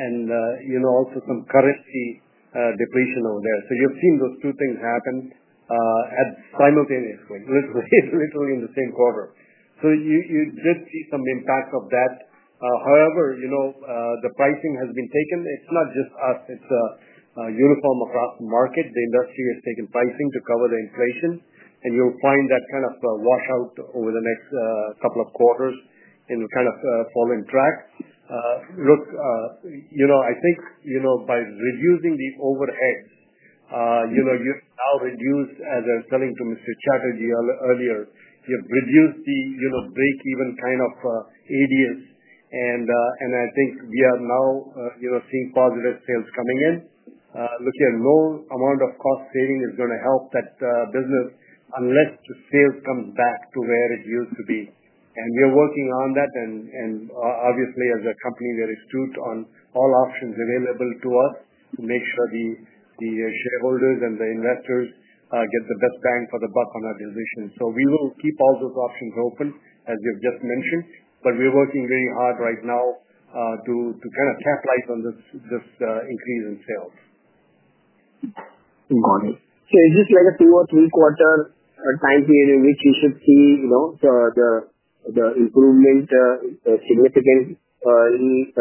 and also some currency depletion over there. You have seen those two things happen simultaneously, literally in the same quarter. You did see some impact of that. However, the pricing has been taken. It is not just us. It is uniform across the market. The industry has taken pricing to cover the inflation, and you will find that kind of washout over the next couple of quarters and kind of fall in track. Look, I think by reducing the overheads, you have now reduced, as I was telling to Mr. Chatterjee earlier, you have reduced the break-even kind of ADS. I think we are now seeing positive sales coming in. Look, no amount of cost saving is going to help that business unless the sales come back to where it used to be. We are working on that. Obviously, as a company, we are astute on all options available to us to make sure the shareholders and the investors get the best bang for the buck on our decision. We will keep all those options open, as you've just mentioned, but we're working very hard right now to kind of capitalize on this increase in sales. Important. Is this like a two or three-quarter time period in which you should see the improvement significantly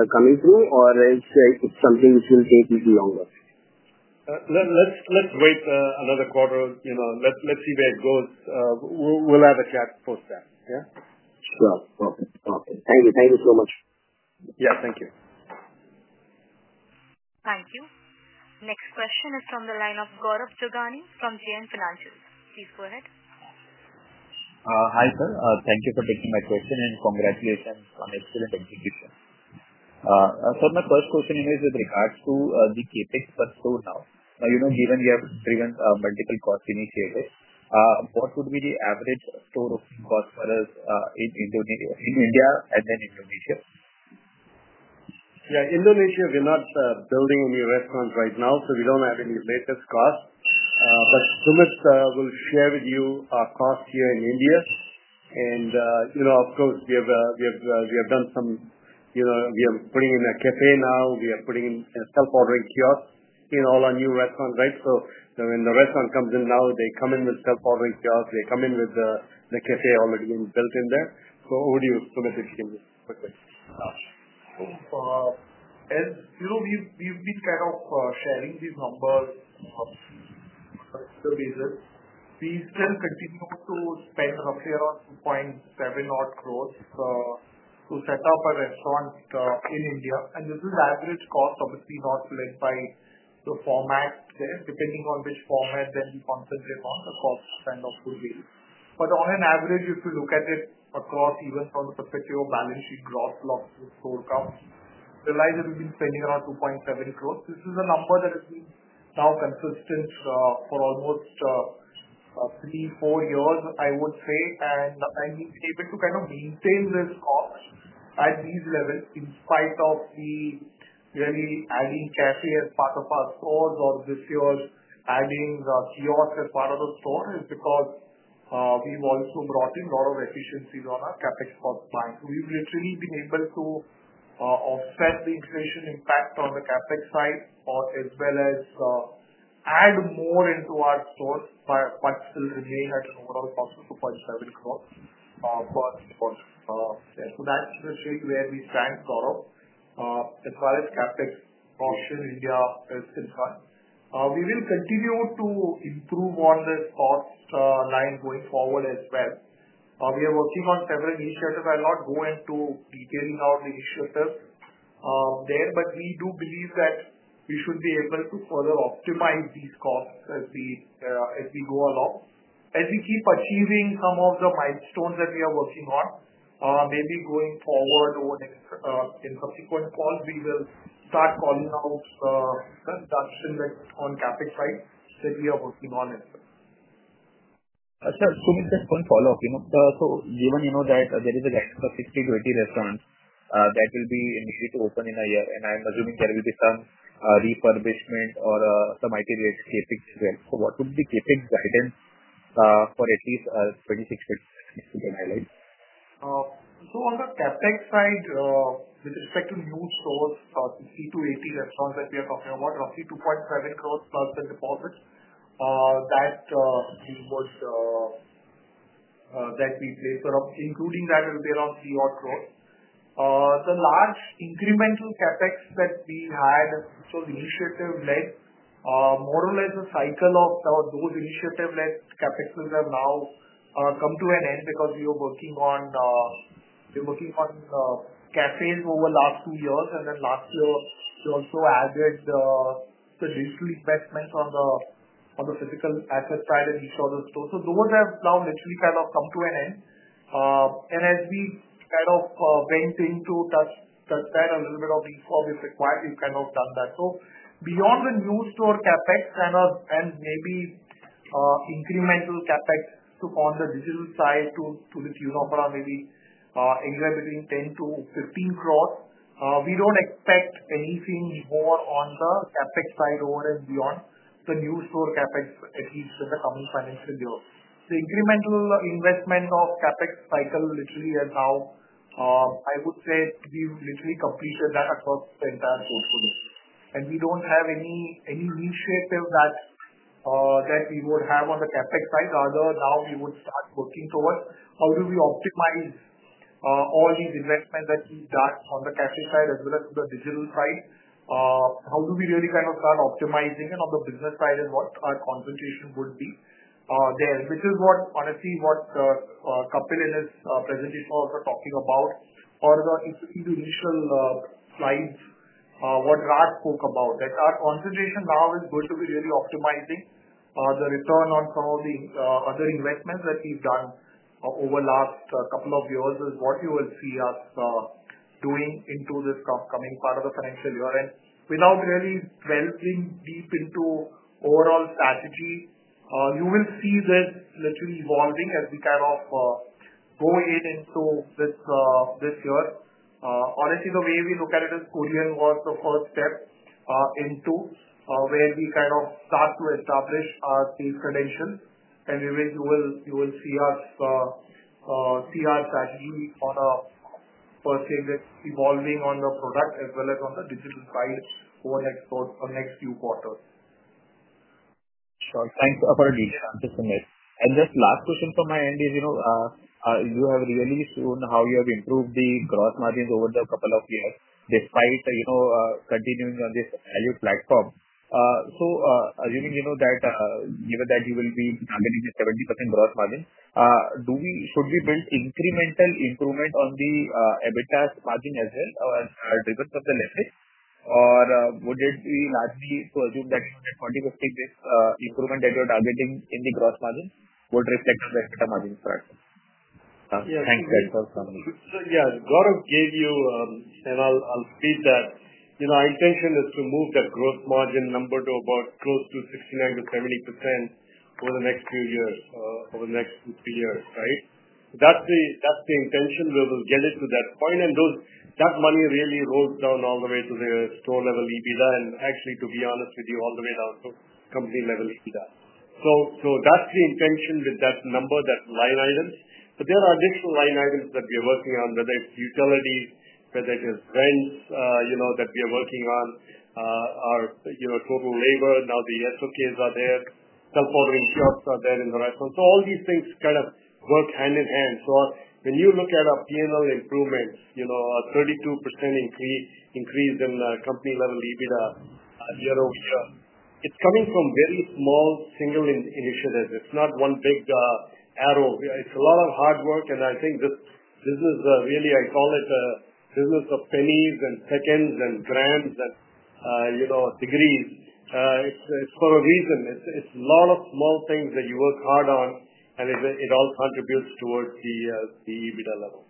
coming through, or is it something which will take even longer? Let's wait another quarter. Let's see where it goes. We'll have a chat post that. Yeah? Sure. Okay. Thank you. Thank you so much. Yeah. Thank you. Thank you. Next question is from the line of Gaurav Jogani from JM Financials. Please go ahead. Hi, sir. Thank you for taking my question, and congratulations on excellent execution. Sir, my first question is with regards to the CapEx per store now. Now, given we have driven multiple cost initiatives, what would be the average store opening cost for us in India and then Indonesia? Yeah. Indonesia, we're not building any restaurants right now, so we don't have any latest costs. Sumit will share with you our cost here in India. Of course, we have done some, we are putting in a cafe now. We are putting in a self-ordering kiosk in all our new restaurants, right? When the restaurant comes in now, they come in with self-ordering kiosks. They come in with the cafe already being built in there. Over to you, Sumit, if you can just quickly. Gotcha. You have been kind of sharing these numbers on a regular basis. We still continue to spend roughly around 2.7 crore to set up a restaurant in India. This is average cost, obviously not led by the format. There, depending on which format we concentrate on, the cost kind of would vary. On average, if you look at it across even from the perspective of balance sheet gross loss to store costs, realize that we have been spending around 2.7 crore. This is a number that has been now consistent for almost three, four years, I would say. I've been able to kind of maintain this cost at these levels in spite of me really adding BK Cafe as part of our stores or this year adding kiosk as part of the store is because we've also brought in a lot of efficiencies on our CapEx cost line. We've literally been able to offset the inflation impact on the CapEx side as well as add more into our stores but still remain at an overall cost of INR 2.7 crore per square. That's literally where we stand, Gaurav, as far as CapEx portion India is concerned. We will continue to improve on this cost line going forward as well. We are working on several initiatives. I'll not go into detailing out the initiatives there, but we do believe that we should be able to further optimize these costs as we go along. As we keep achieving some of the milestones that we are working on, maybe going forward in subsequent calls, we will start calling out the reduction on CapEx side that we are working on as well. Sir, Sumit, just one follow-up. Given that there is a guidance for 60-80 restaurants that will be immediately open in a year, and I'm assuming there will be some refurbishment or some iterated CapEx as well. What would be the CapEx guidance for at least 2026 to 2030 years? On the CapEx side, with respect to new stores, 60-80 restaurants that we are talking about, roughly 2.7 crores plus the deposits that we placed. Including that, it will be around INR 3 - odd crores. The large incremental Capex that we had, initiative-led, more or less the cycle of those initiative-led CapEx have now come to an end because we are working on cafes over the last two years. Last year, we also added the digital investments on the physical asset side and each of the stores. Those have now literally kind of come to an end. As we kind of went in to touch that, a little bit of reform if required, we have kind of done that. Beyond the new store CapEx and maybe incremental CapEx on the digital side to the tune of around maybe anywhere between 10-15 crore, we do not expect anything more on the CapEx side over and beyond the new store CapEx, at least with the coming financial year. The incremental investment of CapEx cycle literally has now, I would say, we have literally completed that across the entire portfolio. We do not have any initiative that we would have on the CapEx side. Rather, now we would start working towards how do we optimize all these investments that we have done on the cafe side as well as the digital side. How do we really kind of start optimizing it on the business side and what our concentration would be there, which is honestly what Kapil in his presentation was also talking about. For the initial slides, what Raj spoke about, that our concentration now is going to be really optimizing the return on some of the other investments that we've done over the last couple of years is what you will see us doing into this coming part of the financial year. Without really delving deep into overall strategy, you will see this literally evolving as we kind of go in into this year. Obviously, the way we look at it as Korean was the first step into where we kind of start to establish our safe credentials. You will see our strategy on a per se that's evolving on the product as well as on the digital side over the next few quarters. Sure. Thanks for the details. Thank you, Sumit. Just last question from my end is you have really shown how you have improved the gross margins over the couple of years despite continuing on this value platform. Assuming that given that you will be targeting a 70% gross margin, should we build incremental improvement on the EBITDA margin as well or are they driven from the leverage? Would it be likely to assume that 40, 50, 60 improvement that you're targeting in the gross margin would reflect on the EBITDA margin strategy? Thanks very much for coming. Yeah. Gaurav gave you, and I'll repeat that. Our intention is to move that gross margin number to about close to 69%-70% over the next few years, over the next two to three years, right? That's the intention. We will get it to that point. That money really rolls down all the way to the store-level EBITDA and actually, to be honest with you, all the way down to company-level EBITDA. That's the intention with that number, that line items. There are additional line items that we are working on, whether it's utilities, whether it is rents that we are working on, our total labor. Now the SOKs are there. Self-ordering kiosks are there in the restaurants. All these things kind of work hand in hand. When you look at our P&L improvements, a 32% increase in company-level EBITDA year over year, it's coming from very small single initiatives. It's not one big arrow. It's a lot of hard work. I think this business really, I call it a business of pennies and seconds and grams and degrees. It's for a reason. It's a lot of small things that you work hard on, and it all contributes towards the EBITDA level.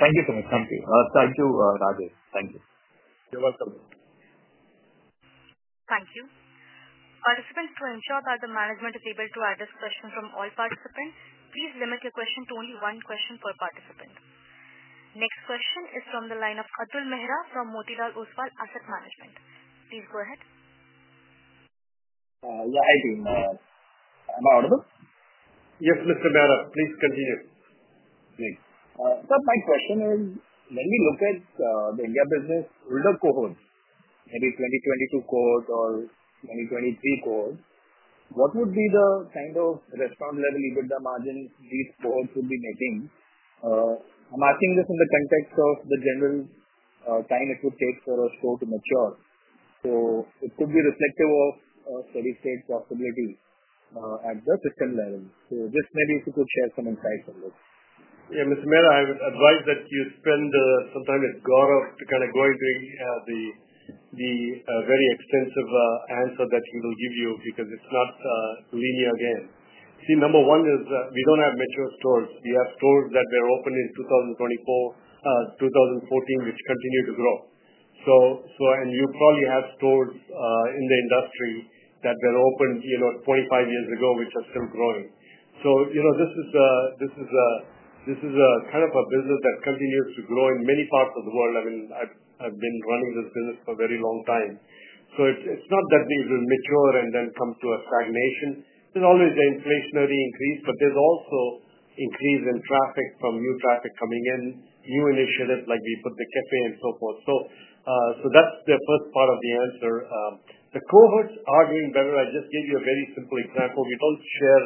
Thank you, Sumit. Thank you. Thank you, Rajeev. Thank you. You're welcome. Thank you. Participants, to ensure that the management is able to address questions from all participants, please limit your question to only one question per participant. Next question is from the line of Atul Mehra from Motilal Oswal Asset Management. Please go ahead. Yeah. Hi, team. Am I audible? Yes, Mr. Mehra. Please continue. Thanks. Sir, my question is, when we look at the India business, older cohorts, maybe 2022 cohort or 2023 cohort, what would be the kind of restaurant-level EBITDA margins these cohorts would be making? I'm asking this in the context of the general time it would take for a store to mature. It could be reflective of steady-state possibility at the system level. Just maybe if you could share some insights on this. Yeah. Mr. Mehra, I would advise that you spend some time with Gaurav to kind of go into the very extensive answer that he will give you because it's not linear again. See, number one is we don't have mature stores. We have stores that were open in 2014, which continue to grow. And you probably have stores in the industry that were opened 25 years ago, which are still growing. This is a kind of a business that continues to grow in many parts of the world. I mean, I've been running this business for a very long time. It's not that it will mature and then come to a stagnation. There's always the inflationary increase, but there's also increase in traffic from new traffic coming in, new initiatives like we put the cafe and so forth. That's the first part of the answer. The cohorts are doing better. I just gave you a very simple example. We do not share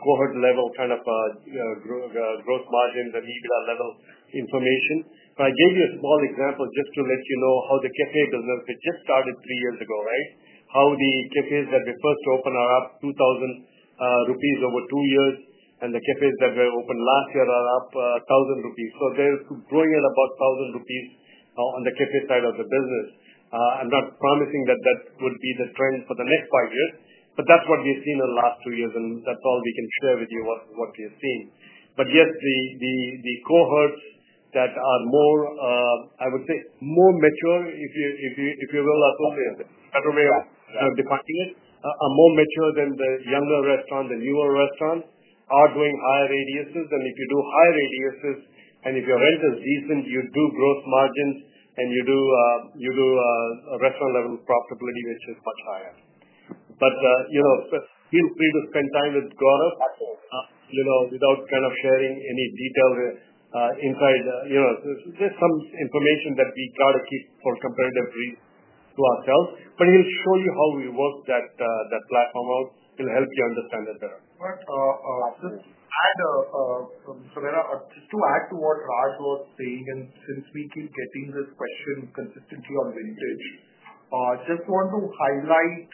cohort-level kind of gross margins and EBITDA level information. I gave you a small example just to let you know how the cafe business, which just started three years ago, right? How the cafes that were first open are up 2,000 rupees over two years, and the cafes that were opened last year are up 1,000 rupees. They are growing at about INR 1,000 on the cafe side of the business. I am not promising that that would be the trend for the next five years, but that is what we have seen in the last two years, and that is all we can share with you what we have seen. Yes, the cohorts that are more, I would say, more mature, if you will, assuming that's a better way of defining it, are more mature than the younger restaurants, the newer restaurants, are doing higher radiuses. If you do high radiuses and if your rent is decent, you do gross margins and you do restaurant-level profitability, which is much higher. Feel free to spend time with Gaurav without kind of sharing any detail inside. There's some information that we got to keep for comparative reason to ourselves. He'll show you how we work that platform out. He'll help you understand it better. Sir, just to add to what Raj was saying, and since we keep getting this question consistently on vintage, I just want to highlight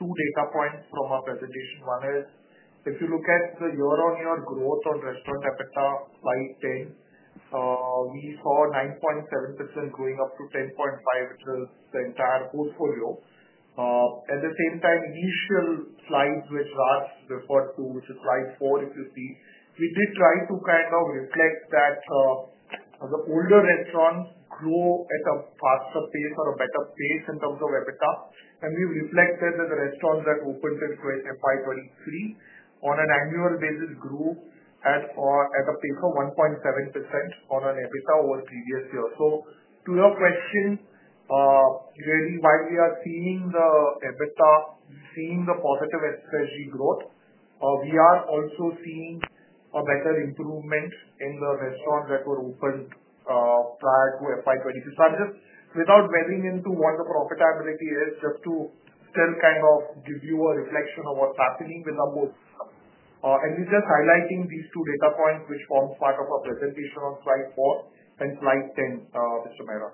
two data points from our presentation. One is, if you look at the year-on-year growth on restaurant EBITDA slide 10, we saw 9.7% growing up to 10.5%, which is the entire portfolio. At the same time, initial slides which Raj referred to, which is slide four, if you see, we did try to kind of reflect that the older restaurants grow at a faster pace or a better pace in terms of EBITDA. We have reflected that the restaurants that opened in 2023 on an annual basis grew at a pace of 1.7% on EBITDA over previous years. To your question, really, while we are seeing the EBITDA, seeing the positive strategy growth, we are also seeing a better improvement in the restaurants that were opened prior to FY 2022. I'm just, without weighing into what the profitability is, just to still kind of give you a reflection of what's happening with our board system. We're just highlighting these two data points which form part of our presentation on slide four and slide 10, Mr. Mehra.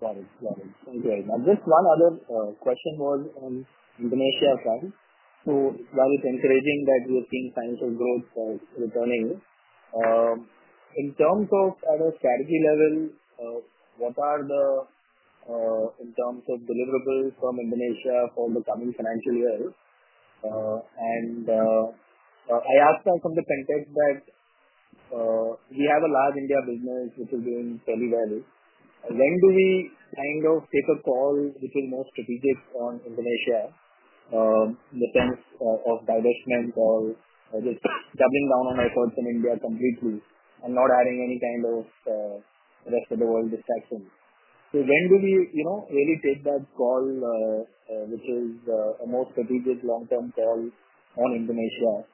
Got it. Got it. Okay. Now, just one other question more on Indonesia side. It is very encouraging that we are seeing financial growth returning. In terms of at a strategy level, what are the, in terms of deliverables from Indonesia for the coming financial year? I ask some of the context that we have a large India business which is doing fairly well. When do we kind of take a call which is more strategic on Indonesia in the sense of divestment or just doubling down on efforts in India completely and not adding any kind of rest of the world distractions? When do we really take that call which is a more strategic long-term call on Indonesia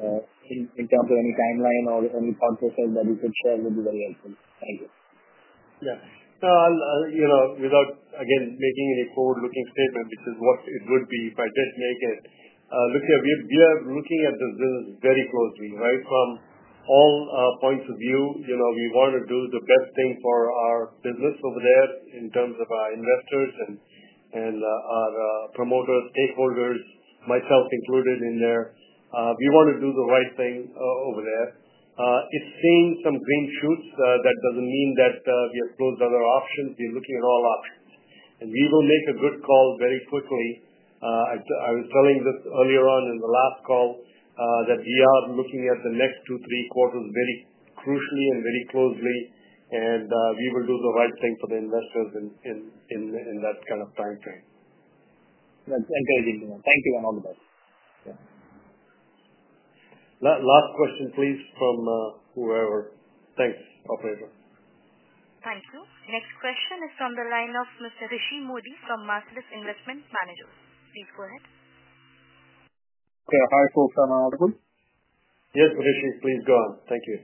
in terms of any timeline or any thought process that you could share would be very helpful. Thank you. Yeah. Without, again, making any forward-looking statement, which is what it would be if I did make it, look, we are looking at this business very closely, right? From all points of view, we want to do the best thing for our business over there in terms of our investors and our promoters, stakeholders, myself included in there. We want to do the right thing over there. It's seeing some green shoots. That doesn't mean that we have closed other options. We're looking at all options. We will make a good call very quickly. I was telling this earlier on in the last call that we are looking at the next two, three quarters very crucially and very closely, and we will do the right thing for the investors in that kind of time frame. That's encouraging. Thank you, and all the best. Last question, please, from whoever. Thanks, Operator. Thank you. Next question is from the line of Mr. Rishi Mody from Marcellus Investment Managers. Please go ahead. Okay. Hi, folks. Am I audible? Yes, Rishi. Please go on. Thank you.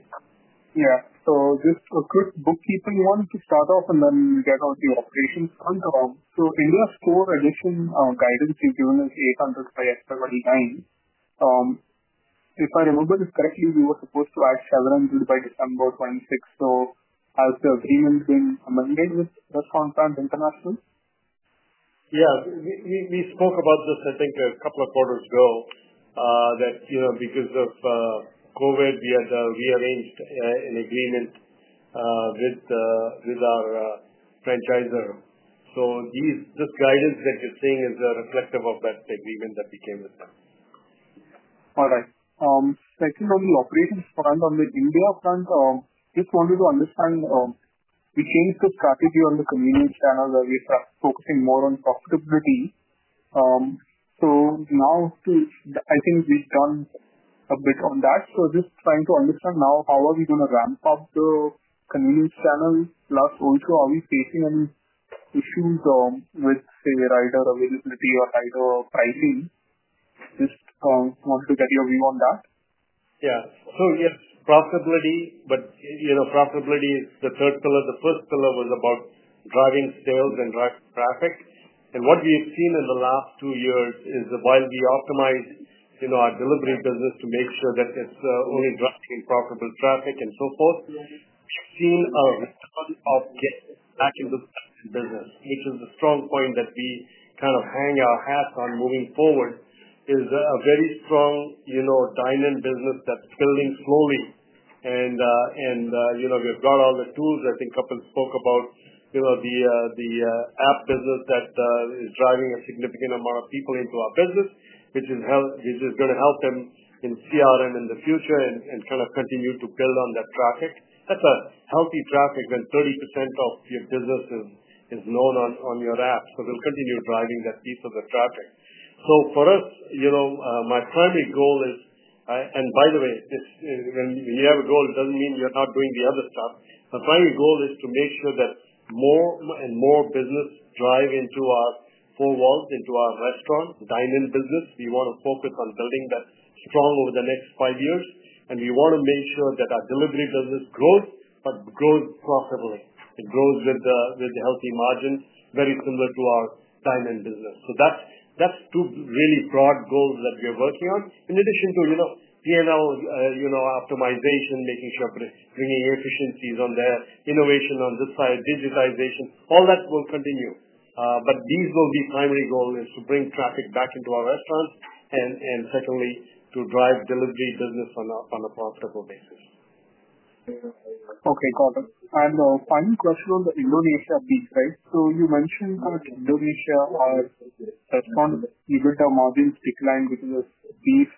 Yeah. So just a quick bookkeeping one to start off and then get on to the operations front. India store addition guidance you've given is 800 by FY 2029. If I remember this correctly, we were supposed to add 700 by December 2026. Has the agreement been amended with Restaurant Brands International? Yeah. We spoke about this, I think, a couple of quarters ago that because of COVID, we had rearranged an agreement with our franchisor. So this guidance that you're seeing is a reflective of that agreement that we came with. All right. Second, on the operations front, on the India front, just wanted to understand. We changed the strategy on the convenience channel where we are focusing more on profitability. Now, I think we've done a bit on that. Just trying to understand now how are we going to ramp up the convenience channel plus also are we facing any issues with, say, rider availability or rider pricing? Just wanted to get your view on that. Yeah. Yes, profitability, but profitability is the third pillar. The first pillar was about driving sales and driving traffic. What we have seen in the last two years is while we optimize our delivery business to make sure that it is only driving profitable traffic and so forth, we have seen a return of getting back into the dynamic business, which is a strong point that we kind of hang our hats on moving forward. It is a very strong dynamic business that is building slowly. We have got all the tools. I think Kapil spoke about the app business that is driving a significant amount of people into our business, which is going to help them in CRM in the future and kind of continue to build on that traffic. That is a healthy traffic when 30% of your business is known on your app. We'll continue driving that piece of the traffic. For us, my primary goal is, and by the way, when you have a goal, it doesn't mean you're not doing the other stuff. My primary goal is to make sure that more and more business drive into our four walls, into our restaurant dynamic business. We want to focus on building that strong over the next five years. We want to make sure that our delivery business grows, but grows profitably. It grows with healthy margins, very similar to our dynamic business. That's two really broad goals that we are working on. In addition to P&L optimization, making sure bringing efficiencies on there, innovation on this side, digitization, all that will continue. These will be primary goals: to bring traffic back into our restaurants and, secondly, to drive delivery business on a profitable basis. Okay, Gaurav. The final question on the Indonesia piece, right? You mentioned that Indonesia's responded to EBITDA margins decline because of beef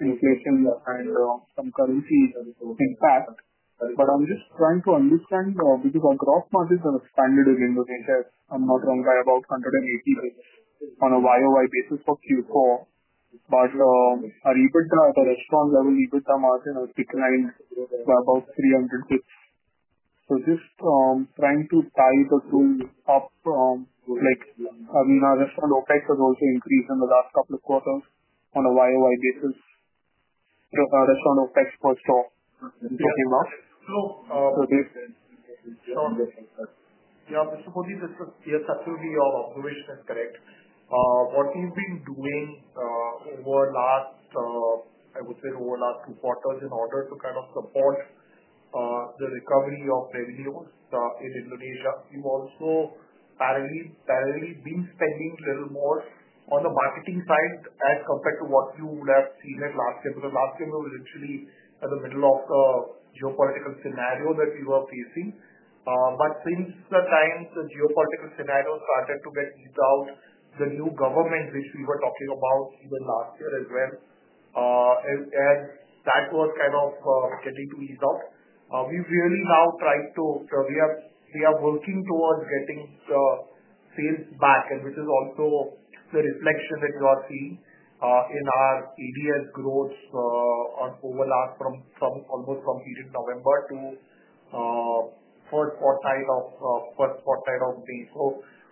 inflation and some currency impact. I'm just trying to understand because our gross margins are expanded in Indonesia, if I'm not wrong, by about 180 basis points on a year-over-year basis for Q4. Our EBITDA, the restaurant-level EBITDA margin has declined by about 300 basis points. Just trying to tie the two up. I mean, our restaurant OpEx has also increased in the last couple of quarters on a year-over-year basis. Restaurant OpEx per store came up. Yeah. Mr. Modi, just to be sure, your observation is correct. What we've been doing over the last, I would say, over the last two quarters in order to kind of support the recovery of revenues in Indonesia, we've also parallelly been spending a little more on the marketing side as compared to what you would have seen at last year. Last year was literally at the middle of the geopolitical scenario that we were facing. Since the time the geopolitical scenario started to get eased out, the new government, which we were talking about even last year as well, as that was kind of getting to ease out, we've really now tried to. We are working towards getting sales back, which is also the reflection that you are seeing in our ADS growth on overlap from almost from period November to first quartile of May.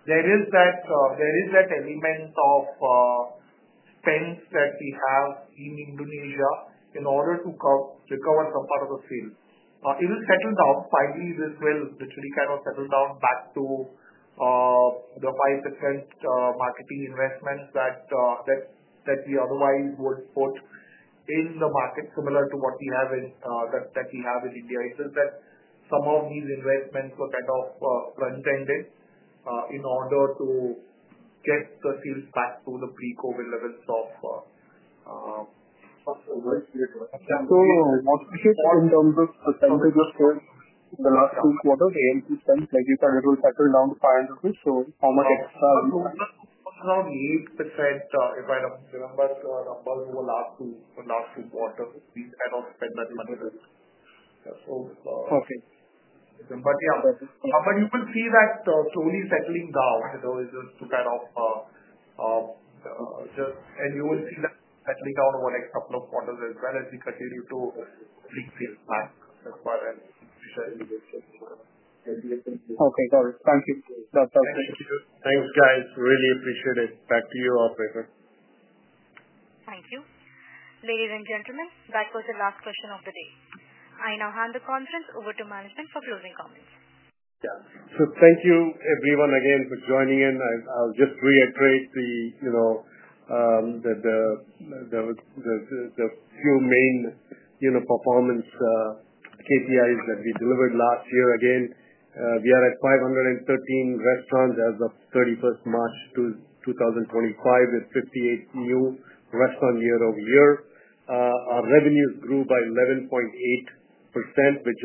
There is that element of spend that we have in Indonesia in order to recover some part of the sales. It will settle down. Finally, this will literally kind of settle down back to the 5% marketing investments that we otherwise would put in the market, similar to what we have in India. It is that some of these investments were kind of front-ended in order to get the sales back to the pre-COVID levels of. In terms of percentage of sales, the last two quarters, ANC spend, like you said, it will settle down to INR 5. How much extra? It was around 8%, if I remember the numbers over the last two quarters. We had not spent that much of it. Okay. Yeah, you will see that slowly settling down. It's just to kind of just, and you will see that settling down over the next couple of quarters as well as we continue to bring sales back as far as we share in the business. Okay, got it. Thank you. That's all. Thank you. Thanks, guys. Really appreciate it. Back to you, Operator. Thank you. Ladies and gentlemen, that was the last question of the day. I now hand the conference over to management for closing comments. Yeah. So thank you, everyone, again, for joining in. I'll just reiterate that there were a few main performance KPIs that we delivered last year. Again, we are at 513 restaurants as of 31 March 2025, with 58 new restaurants year over year. Our revenues grew by 11.8%, which is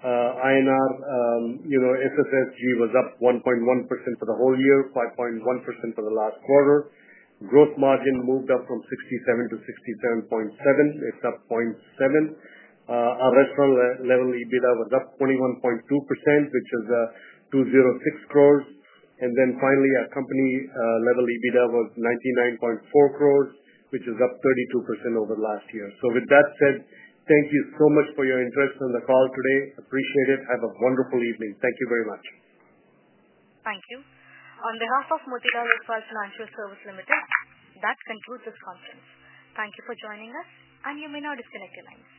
INR 1,967,800,000. FSSG was up 1.1% for the whole year, 5.1% for the last quarter. Gross margin moved up from 67% to 67.7%. It's up 0.7 percentage points. Our restaurant-level EBITDA was up 21.2%, which is 206 crore. Our company-level EBITDA was 99.4 crore, which is up 32% over the last year. Thank you so much for your interest in the call today. Appreciate it. Have a wonderful evening. Thank you very much. Thank you. On behalf of Motilal Oswal Financial Services Limited, that concludes this conference. Thank you for joining us, and you may now disconnect your lines.